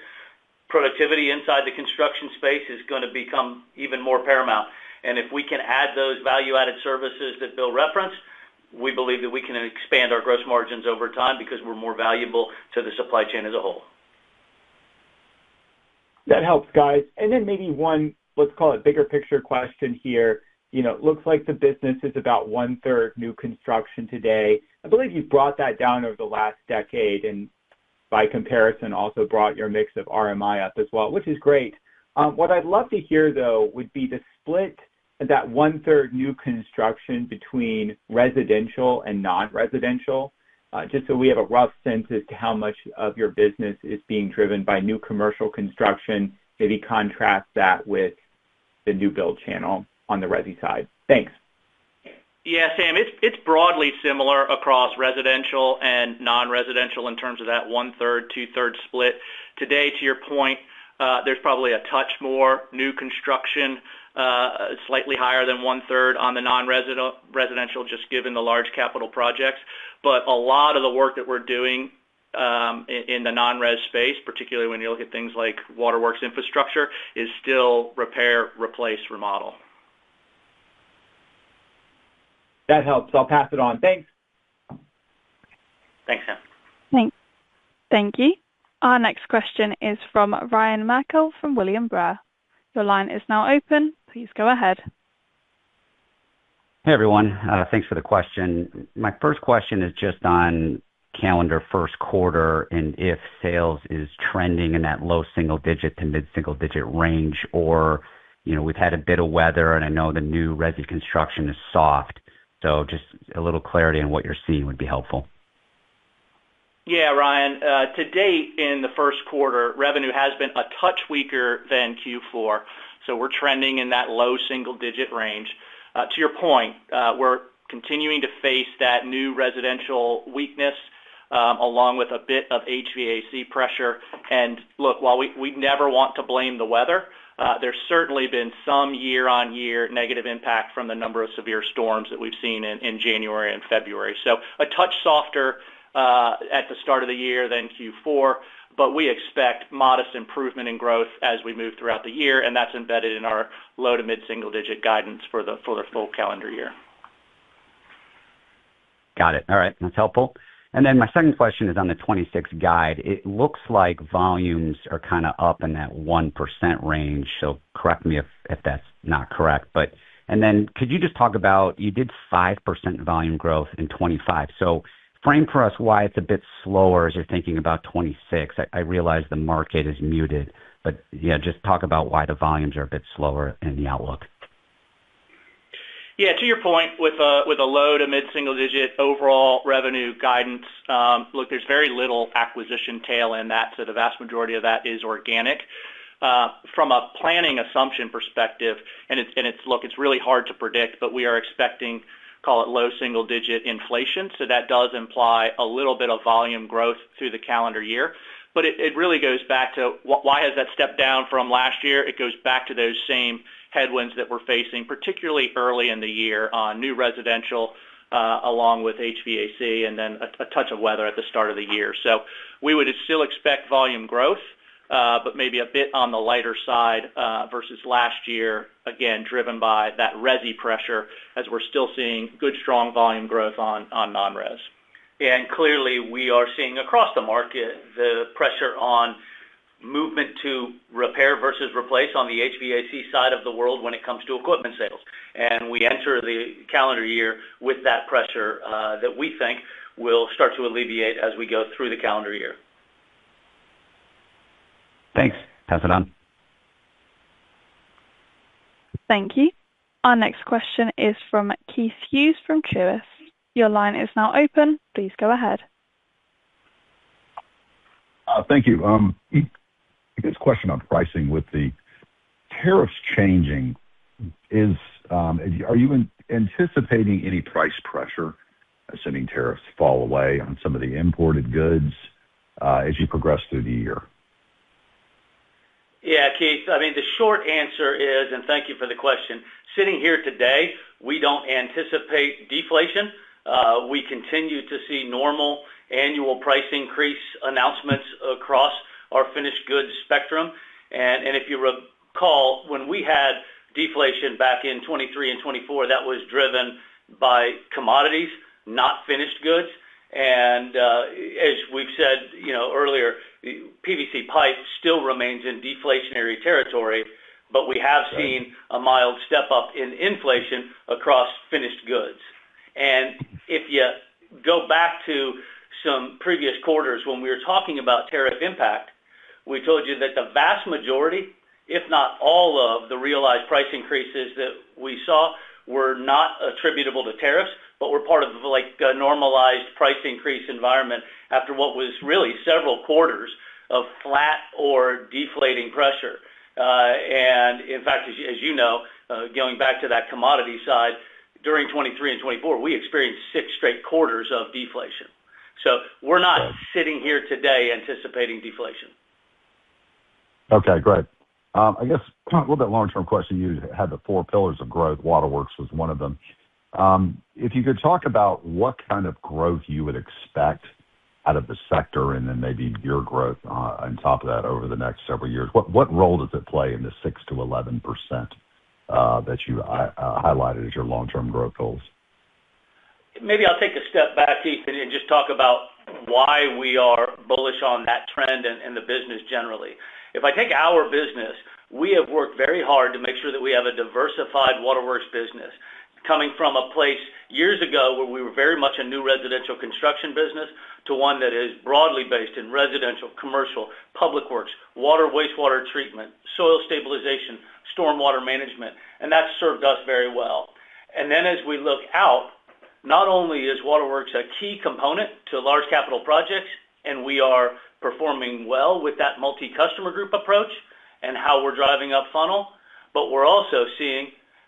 productivity inside the construction space is gonna become even more paramount. If we can add those value-added services that Bill referenced, we believe that we can expand our gross margins over time because we're more valuable to the supply chain as a whole. That helps, guys. Maybe one, let's call it, bigger picture question here. You know, it looks like the business is about 1/3 new construction today. I believe you've brought that down over the last decade, and by comparison, also brought your mix of RMI up as well, which is great. What I'd love to hear, though, would be the split, that 1/3 new construction between residential and non-residential, just so we have a rough sense as to how much of your business is being driven by new commercial construction. Maybe contrast that with the new build channel on the resi side. Thanks. Yeah, Sam, it's broadly similar across residential and non-residential in terms of that 1/3, 2/3 split. Today, to your point, there's probably a touch more new construction, slightly higher than 1/3 on the non-residential, just given the large capital projects. A lot of the work that we're doing, in the non-res space, particularly when you look at things like waterworks infrastructure, is still repair, replace, remodel. That helps. I'll pass it on. Thanks! Thanks, Sam. Thank you. Our next question is from Ryan Merkel, from William Blair. Your line is now open. Please go ahead. Hey, everyone, thanks for the question. My first question is just on calendar first quarter. If sales is trending in that low single digit to mid single digit range, or, you know, we've had a bit of weather, and I know the new resi construction is soft. Just a little clarity on what you're seeing would be helpful. Ryan, to date, in the Q1, revenue has been a touch weaker than Q4. We're trending in that low single-digit range. To your point, we're continuing to face that new residential weakness along with a bit of HVAC pressure. Look, while we never want to blame the weather, there's certainly been some year-over-year negative impact from the number of severe storms that we've seen in January and February. A touch softer at the start of the year than Q4, but we expect modest improvement in growth as we move throughout the year, and that's embedded in our low to mid-single digit guidance for the full calendar year. Got it. All right. That's helpful. My second question is on the 2026 guide. It looks like volumes are kind of up in that 1% range, so correct me if that's not correct. Could you just talk about, you did 5% volume growth in 2025. Frame for us why it's a bit slower as you're thinking about 2026. I realize the market is muted, yeah, just talk about why the volumes are a bit slower in the outlook. To your point, with a low to mid-single digit overall revenue guidance, look, there's very little acquisition tail in that, so the vast majority of that is organic. From a planning assumption perspective, and it's really hard to predict, but we are expecting, call it, low single digit inflation, so that does imply a little bit of volume growth through the calendar year. It really goes back to why has that stepped down from last year? It goes back to those same headwinds that we're facing, particularly early in the year on new residential, along with HVAC, and then a touch of weather at the start of the year. We would still expect volume growth, but maybe a bit on the lighter side, versus last year, again, driven by that resi pressure, as we're still seeing good, strong volume growth on non-res. Yeah, and clearly, we are seeing across the market, the pressure on movement to repair versus replace on the HVAC side of the world when it comes to equipment sales. We enter the calendar year with that pressure, that we think will start to alleviate as we go through the calendar year. Thanks. I'll pass it on. Thank you. Our next question is from Keith Hughes, from Truist. Your line is now open. Please go ahead. Thank you. This question on pricing, with the tariffs changing, are you anticipating any price pressure, assuming tariffs fall away on some of the imported goods as you progress through the year? Yeah, Keith, I mean, the short answer is, thank you for the question. Sitting here today, we don't anticipate deflation. We continue to see normal annual price increase announcements across our finished goods spectrum. If you recall, when we had deflation back in 2023 and 2024, that was driven by commodities, not finished goods. As we've said, you know, earlier, PVC pipe still remains in deflationary territory, but we have seen a mild step up in inflation across finished goods. If you go back to some previous quarters when we were talking about tariff impact, we told you that the vast majority, if not all of the realized price increases that we saw, were not attributable to tariffs, but were part of, like, a normalized price increase environment after what was really several quarters of flat or deflating pressure. In fact, as you know, going back to that commodity side, during 2023 and 2024, we experienced six straight quarters of deflation. We're not sitting here today anticipating deflation. Okay, great. I guess, kind of a little bit long-term question. You had the four pillars of growth. Waterworks was one of them. If you could talk about what kind of growth you would expect out of the sector, and then maybe your growth on top of that over the next several years. What, what role does it play in the 6%-11% that you highlighted as your long-term growth goals? Maybe I'll take a step back, Keith, and just talk about why we are bullish on that trend and the business generally. If I take our business, we have worked very hard to make sure that we have a diversified waterworks business. Coming from a place years ago, where we were very much a new residential construction business, to one that is broadly based in residential, commercial, public works, water, wastewater treatment, soil stabilization, stormwater management. That's served us very well. As we look out, not only is waterworks a key component to large capital projects, and we are performing well with that multi-customer group approach and how we're driving up funnel, but we're also seeing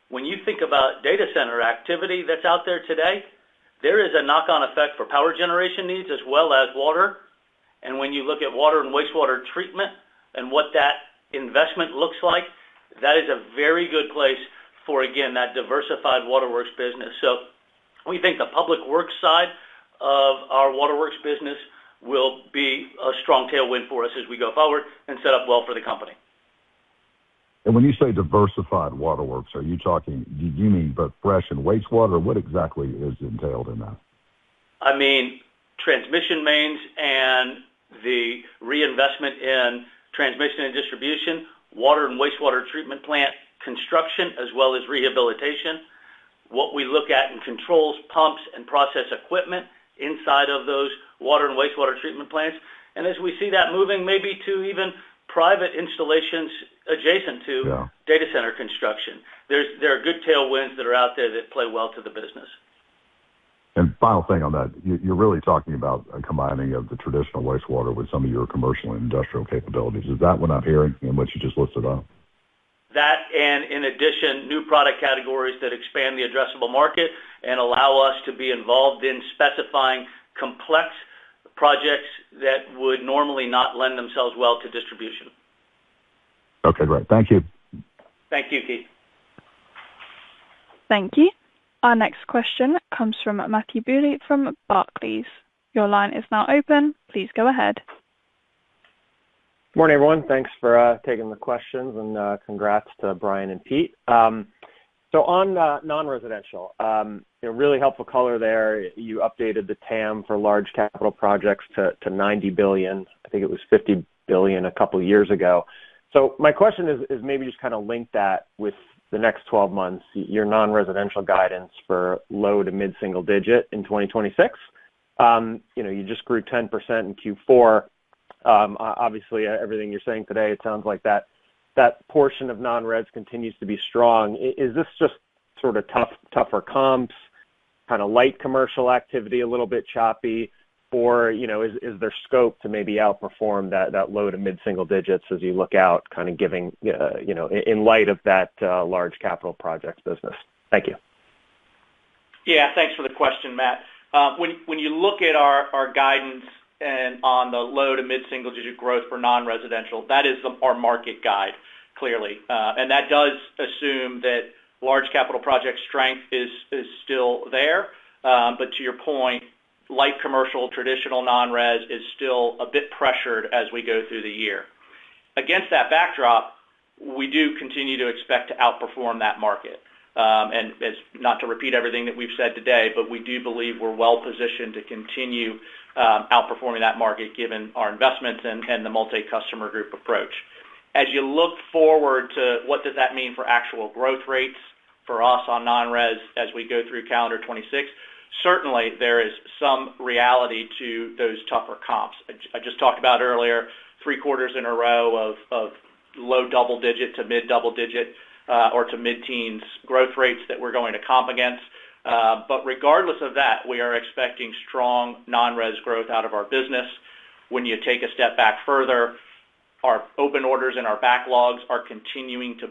when you think about data center activity that's out there today, there is a knock-on effect for power generation needs as well as water. When you look at water and wastewater treatment and what that investment looks like, that is a very good place for, again, that diversified Waterworks business. We think the public works side of our Waterworks business will be a strong tailwind for us as we go forward and set up well for the company. When you say diversified waterworks, do you mean both fresh and wastewater, or what exactly is entailed in that? I mean, transmission mains and the reinvestment in transmission and distribution, water and wastewater treatment plant construction, as well as rehabilitation. What we look at in controls, pumps, and process equipment inside of those water and wastewater treatment plants. As we see that moving maybe to even private installations adjacent to data center construction. There are good tailwinds that are out there that play well to the business. Final thing on that, you're really talking about a combining of the traditional wastewater with some of your commercial and industrial capabilities. Is that what I'm hearing in what you just listed out? That, and in addition, new product categories that expand the addressable market and allow us to be involved in specifying complex projects that would normally not lend themselves well to distribution. Okay, great. Thank you. Thank you, Keith. Thank you. Our next question comes from Matthew Bouley, from Barclays. Your line is now open. Please go ahead. Good morning, everyone. Thanks for taking the questions, and congrats to Brian and Pete. On non-residential, you know, really helpful color there. You updated the TAM for large capital projects to $90 billion. I think it was $50 billion a couple of years ago. My question is maybe just kind of link that with the next 12 months, your non-residential guidance for low to mid-single digit in 2026. You know, you just grew 10% in Q4. Obviously, everything you're saying today, it sounds like that portion of non-res continues to be strong. Is this just sort of tougher comps, kind of light commercial activity, a little bit choppy? You know, is there scope to maybe outperform that low to mid-single digits as you look out, kind of giving, you know, in light of that large capital projects business? Thank you. Yeah, thanks for the question, Matt. When you look at our guidance and on the low to mid-single digit growth for non-residential, that is our market guide, clearly. That does assume that large capital project strength is still there. To your point, light commercial, traditional non-res is still a bit pressured as we go through the year. Against that backdrop, we do continue to expect to outperform that market. Not to repeat everything that we've said today, but we do believe we're well positioned to continue outperforming that market given our investments and the multi-customer group approach. As you look forward to what does that mean for actual growth rates for us on non-res as we go through calendar 2026, certainly there is some reality to those tougher comps. I just talked about earlier, three quarters in a row of low double digit to mid double digit, or to mid-teens growth rates that we're going to comp against. Regardless of that, we are expecting strong non-res growth out of our business. When you take a step back further, our open orders and our backlogs are continuing to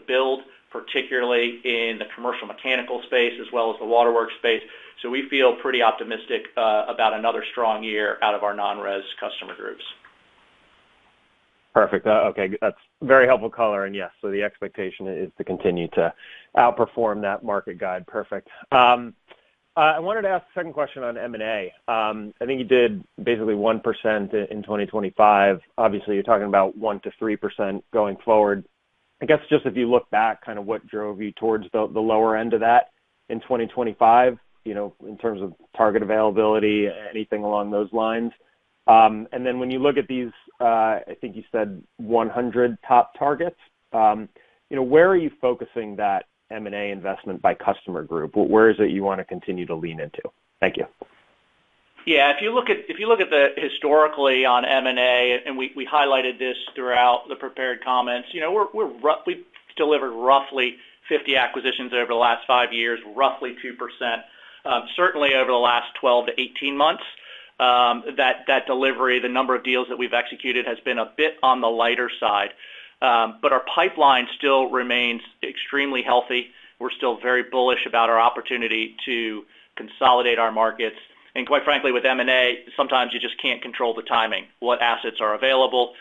build, particularly in the commercial mechanical space as well as the Waterworks space. We feel pretty optimistic about another strong year out of our non-res customer groups. Perfect. Okay, that's very helpful color. Yes, the expectation is to continue to outperform that market guide. Perfect. I wanted to ask the second question on M&A. I think you did basically 1% in 2025. Obviously, you're talking about 1%-3% going forward. I guess, just if you look back, kind of what drove you towards the lower end of that in 2025, you know, in terms of target availability, anything along those lines? When you look at these, I think you said 100 top targets, you know, where are you focusing that M&A investment by customer group? Where is it you want to continue to lean into? Thank you. Yeah, if you look at the historically on M&A, we highlighted this throughout the prepared comments, you know, we've delivered roughly 50 acquisitions over the last five years, roughly 2%. Certainly over the last 12-18 months, that delivery, the number of deals that we've executed, has been a bit on the lighter side. Our pipeline still remains extremely healthy. We're still very bullish about our opportunity to consolidate our markets. Quite frankly, with M&A, sometimes you just can't control the timing, what assets are available,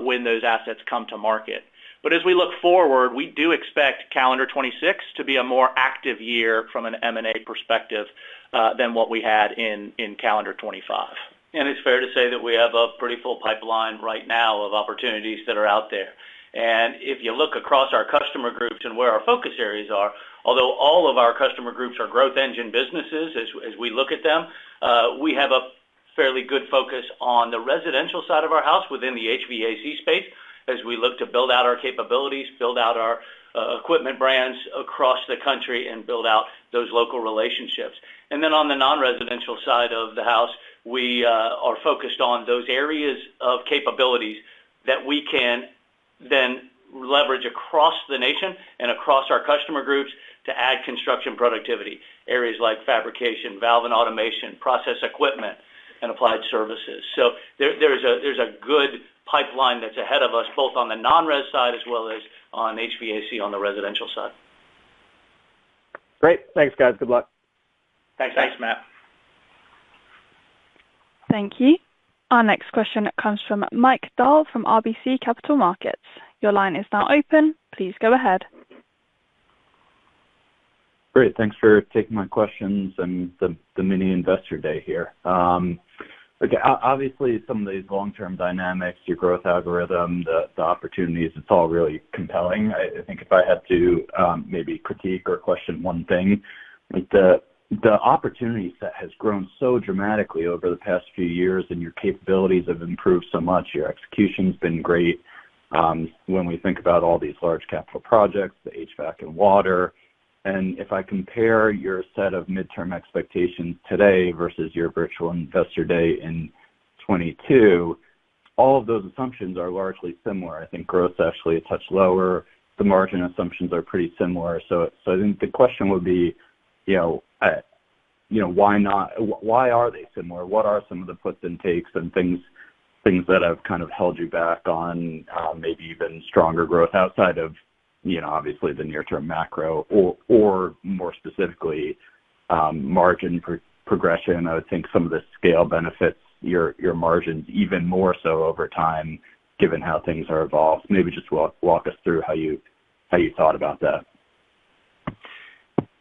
when those assets come to market. As we look forward, we do expect calendar 2026 to be a more active year from an M&A perspective than what we had in calendar 2025. It's fair to say that we have a pretty full pipeline right now of opportunities that are out there. If you look across our customer groups and where our focus areas are, although all of our customer groups are growth engine businesses, as we look at them, we have a fairly good focus on the residential side of our house within the HVAC space as we look to build out our capabilities, build out our equipment brands across the country, and build out those local relationships. On the non-residential side of the house, we are focused on those areas of capabilities that we can then leverage across the nation and across our customer groups to add construction productivity, areas like fabrication, valve and automation, process equipment, and applied services. There's a good pipeline that's ahead of us, both on the non-res side as well as on HVAC, on the residential side. Great. Thanks, guys. Good luck. Thanks. Thanks, Matt. Thank you. Our next question comes from Michael Dahl from RBC Capital Markets. Your line is now open. Please go ahead. Great. Thanks for taking my questions and the mini investor day here. Okay, obviously, some of these long-term dynamics, your growth algorithm, the opportunities, it's all really compelling. I think if I had to maybe critique or question one thing, the opportunity set has grown so dramatically over the past few years, and your capabilities have improved so much. Your execution's been great, when we think about all these large capital projects, the HVAC and water. If I compare your set of midterm expectations today versus your virtual investor day in 2022, all of those assumptions are largely similar. I think growth is actually a touch lower. The margin assumptions are pretty similar. I think the question would be, you know, why are they similar? What are some of the puts and takes and things that have kind of held you back on, maybe even stronger growth outside of, you know, obviously, the near-term macro or more specifically, margin progression? I would think some of the scale benefits your margins even more so over time, given how things are evolved. Maybe just walk us through how you thought about that.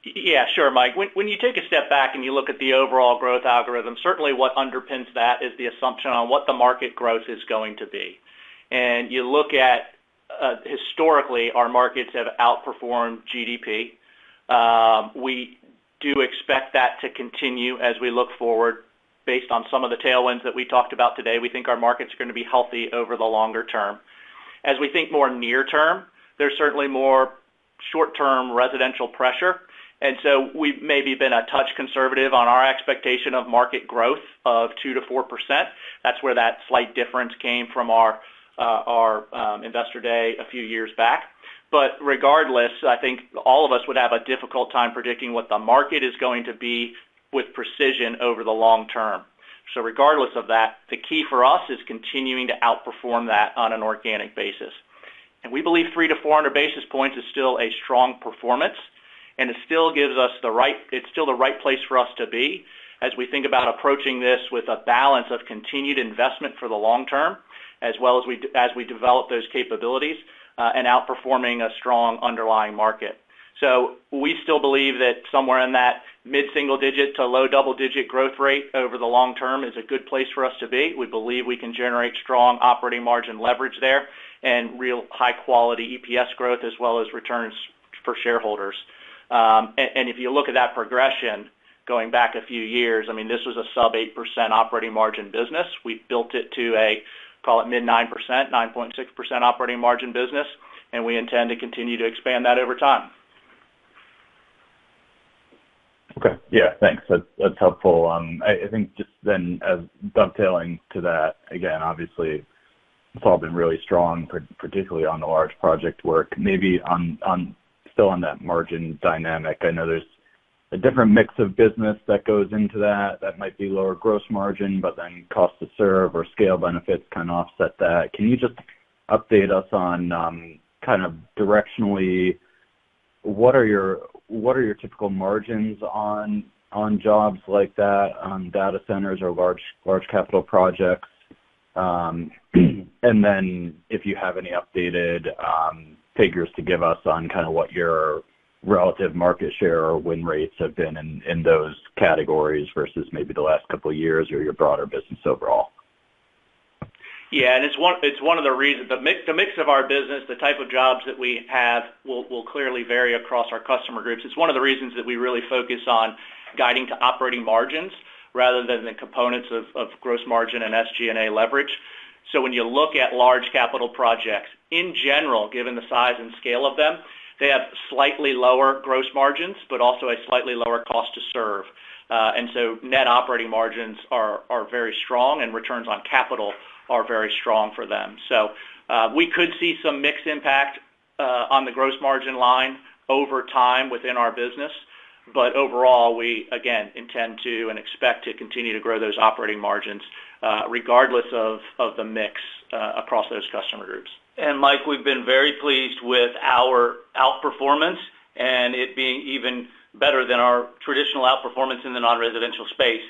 Yeah, sure, Mike. When you take a step back and you look at the overall growth algorithm, certainly what underpins that is the assumption on what the market growth is going to be. You look at, historically, our markets have outperformed GDP. We do expect that to continue as we look forward. Based on some of the tailwinds that we talked about today, we think our markets are gonna be healthy over the longer term. As we think more near term, there's certainly more short-term residential pressure, so we've maybe been a touch conservative on our expectation of market growth of 2%-4%. That's where that slight difference came from our investor day a few years back. Regardless, I think all of us would have a difficult time predicting what the market is going to be with precision over the long term. Regardless of that, the key for us is continuing to outperform that on an organic basis. We believe 300-400 basis points is still a strong performance, and it still gives us the right, it's still the right place for us to be as we think about approaching this with a balance of continued investment for the long term, as well as we develop those capabilities and outperforming a strong underlying market. We still believe that somewhere in that mid-single-digit to low-double-digit growth rate over the long term is a good place for us to be. We believe we can generate strong operating margin leverage there and real high-quality EPS growth, as well as returns for shareholders. If you look at that progression, going back a few years, I mean, this was a sub 8% operating margin business. We built it to a, call it, mid-9%, 9.6% operating margin business, and we intend to continue to expand that over time. Okay. Yeah, thanks. That's helpful. I think just then, dovetailing to that, again, obviously, it's all been really strong, particularly on the large project work. Maybe on Still on that margin dynamic, I know there's a different mix of business that goes into that might be lower gross margin, but then cost to serve or scale benefits kind of offset that. Can you just update us on kind of directionally, what are your typical margins on jobs like that, on data centers or large capital projects? If you have any updated figures to give us on kind of what your relative market share or win rates have been in those categories versus maybe the last couple of years or your broader business overall? It's one of the reasons. The mix of our business, the type of jobs that we have, will clearly vary across our customer groups. It's one of the reasons that we really focus on guiding to operating margins rather than the components of gross margin and SG&A leverage. When you look at large capital projects, in general, given the size and scale of them, they have slightly lower gross margins, but also a slightly lower cost to serve. Net operating margins are very strong, and returns on capital are very strong for them. We could see some mix impact on the gross margin line over time within our business. Overall, we again, intend to and expect to continue to grow those operating margins, regardless of the mix across those customer groups. Mike, we've been very pleased with our outperformance, and it being even better than our traditional outperformance in the non-residential space.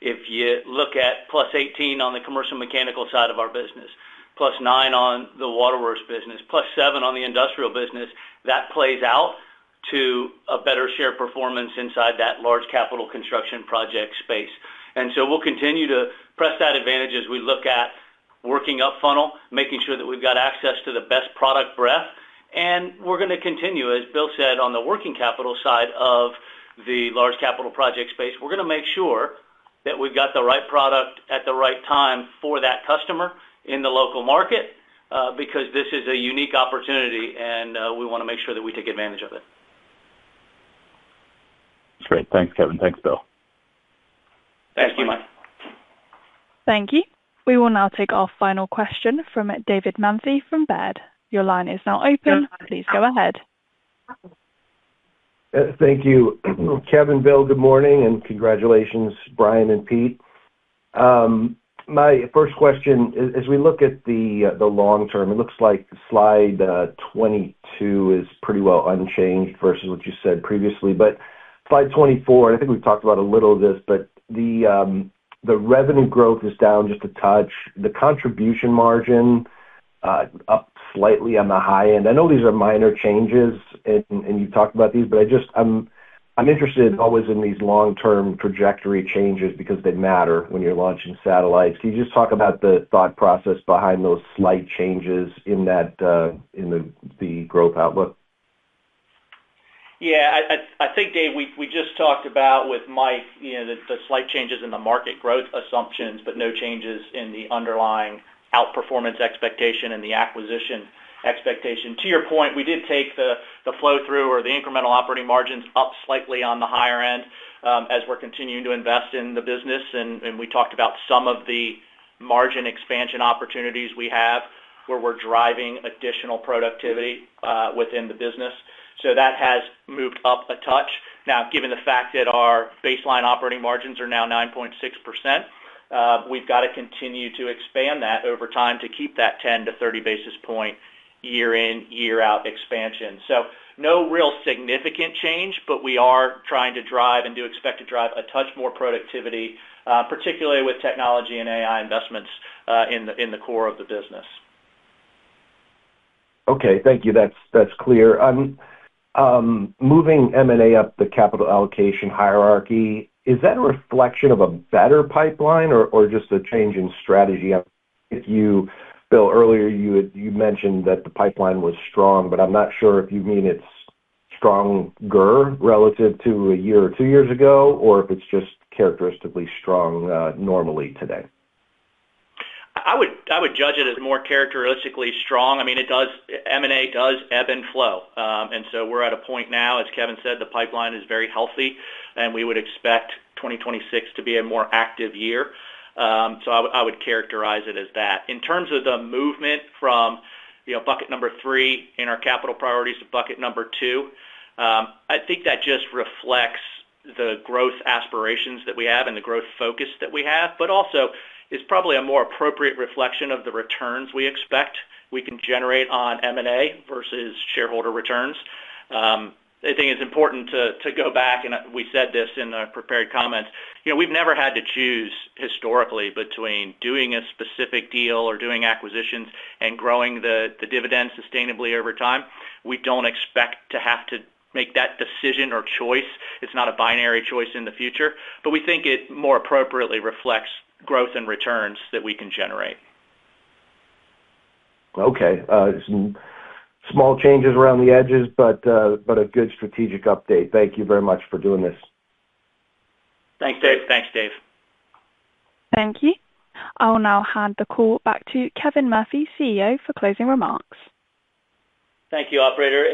If you look at +18 on the commercial mechanical side of our business, +9 on the Waterworks business, +7 on the industrial business, that plays out to a better share performance inside that large capital construction project space. We'll continue to press that advantage as we look at working up funnel, making sure that we've got access to the best product breadth. We're gonna continue, as Bill said, on the working capital side of the large capital project space. We're gonna make sure that we've got the right product at the right time for that customer in the local market, because this is a unique opportunity, and we wanna make sure that we take advantage of it. Great. Thanks, Kevin. Thanks, Bill. Thank you, Mike. Thank you. We will now take our final question from David Manthey from Baird. Your line is now open. Please go ahead. Thank you. Kevin, Bill, good morning, and congratulations, Brian and Pete. My first question is, as we look at the long term, it looks like slide 22 is pretty well unchanged versus what you said previously. Slide 24, and I think we've talked about a little of this, but the revenue growth is down just a touch. The contribution margin, up slightly on the high end. I know these are minor changes, and you talked about these, but I'm interested always in these long-term trajectory changes because they matter when you're launching satellites. Can you just talk about the thought process behind those slight changes in that in the growth outlook? Yeah, I think, Dave, we just talked about with Mike, you know, the slight changes in the market growth assumptions, but no changes in the underlying outperformance expectation and the acquisition expectation. To your point, we did take the flow-through or the incremental operating margins up slightly on the higher end, as we're continuing to invest in the business, and we talked about some of the margin expansion opportunities we have, where we're driving additional productivity within the business. That has moved up a touch. Given the fact that our baseline operating margins are now 9.6%, we've got to continue to expand that over time to keep that 10-30 basis point year in, year out expansion. No real significant change, but we are trying to drive and do expect to drive a touch more productivity, particularly with technology and AI investments, in the core of the business. Okay, thank you. That's clear. moving M&A up the capital allocation hierarchy, is that a reflection of a better pipeline or just a change in strategy? Bill, earlier, you mentioned that the pipeline was strong, but I'm not sure if you mean it's stronger relative to 1-2 years ago, or if it's just characteristically strong, normally today? I would judge it as more characteristically strong. I mean, M&A does ebb and flow. We're at a point now, as Kevin said, the pipeline is very healthy, and we would expect 2026 to be a more active year. I would characterize it as that. In terms of the movement from, you know, bucket number three in our capital priorities to bucket number two, I think that just reflects the growth aspirations that we have and the growth focus that we have, but also is probably a more appropriate reflection of the returns we expect we can generate on M&A versus shareholder returns. I think it's important to go back, and we said this in our prepared comments. You know, we've never had to choose historically between doing a specific deal or doing acquisitions and growing the dividend sustainably over time. We don't expect to have to make that decision or choice. It's not a binary choice in the future, but we think it more appropriately reflects growth and returns that we can generate. Okay. Some small changes around the edges, but a good strategic update. Thank you very much for doing this. Thanks, Dave. Thanks, Dave. Thank you. I will now hand the call back to Kevin Murphy, CEO, for closing remarks. Thank you, operator.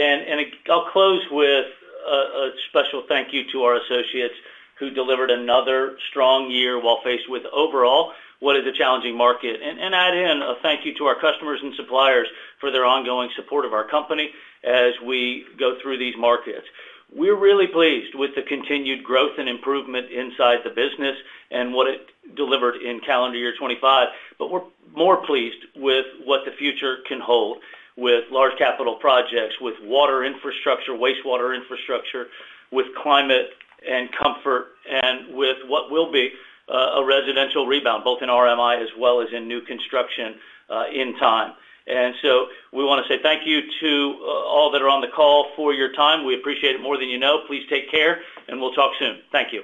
I'll close with a special thank you to our associates who delivered another strong year while faced with overall what is a challenging market? Add in a thank you to our customers and suppliers for their ongoing support of our company as we go through these markets. We're really pleased with the continued growth and improvement inside the business and what it delivered in calendar year 2025, but we're more pleased with what the future can hold with large capital projects, with water infrastructure, wastewater infrastructure, with climate and comfort, and with what will be a residential rebound, both in RMI as well as in new construction, in time. We wanna say thank you to all that are on the call for your time. We appreciate it more than you know. Please take care, and we'll talk soon. Thank you.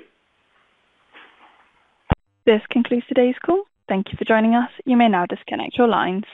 This concludes today's call. Thank you for joining us. You may now disconnect your lines.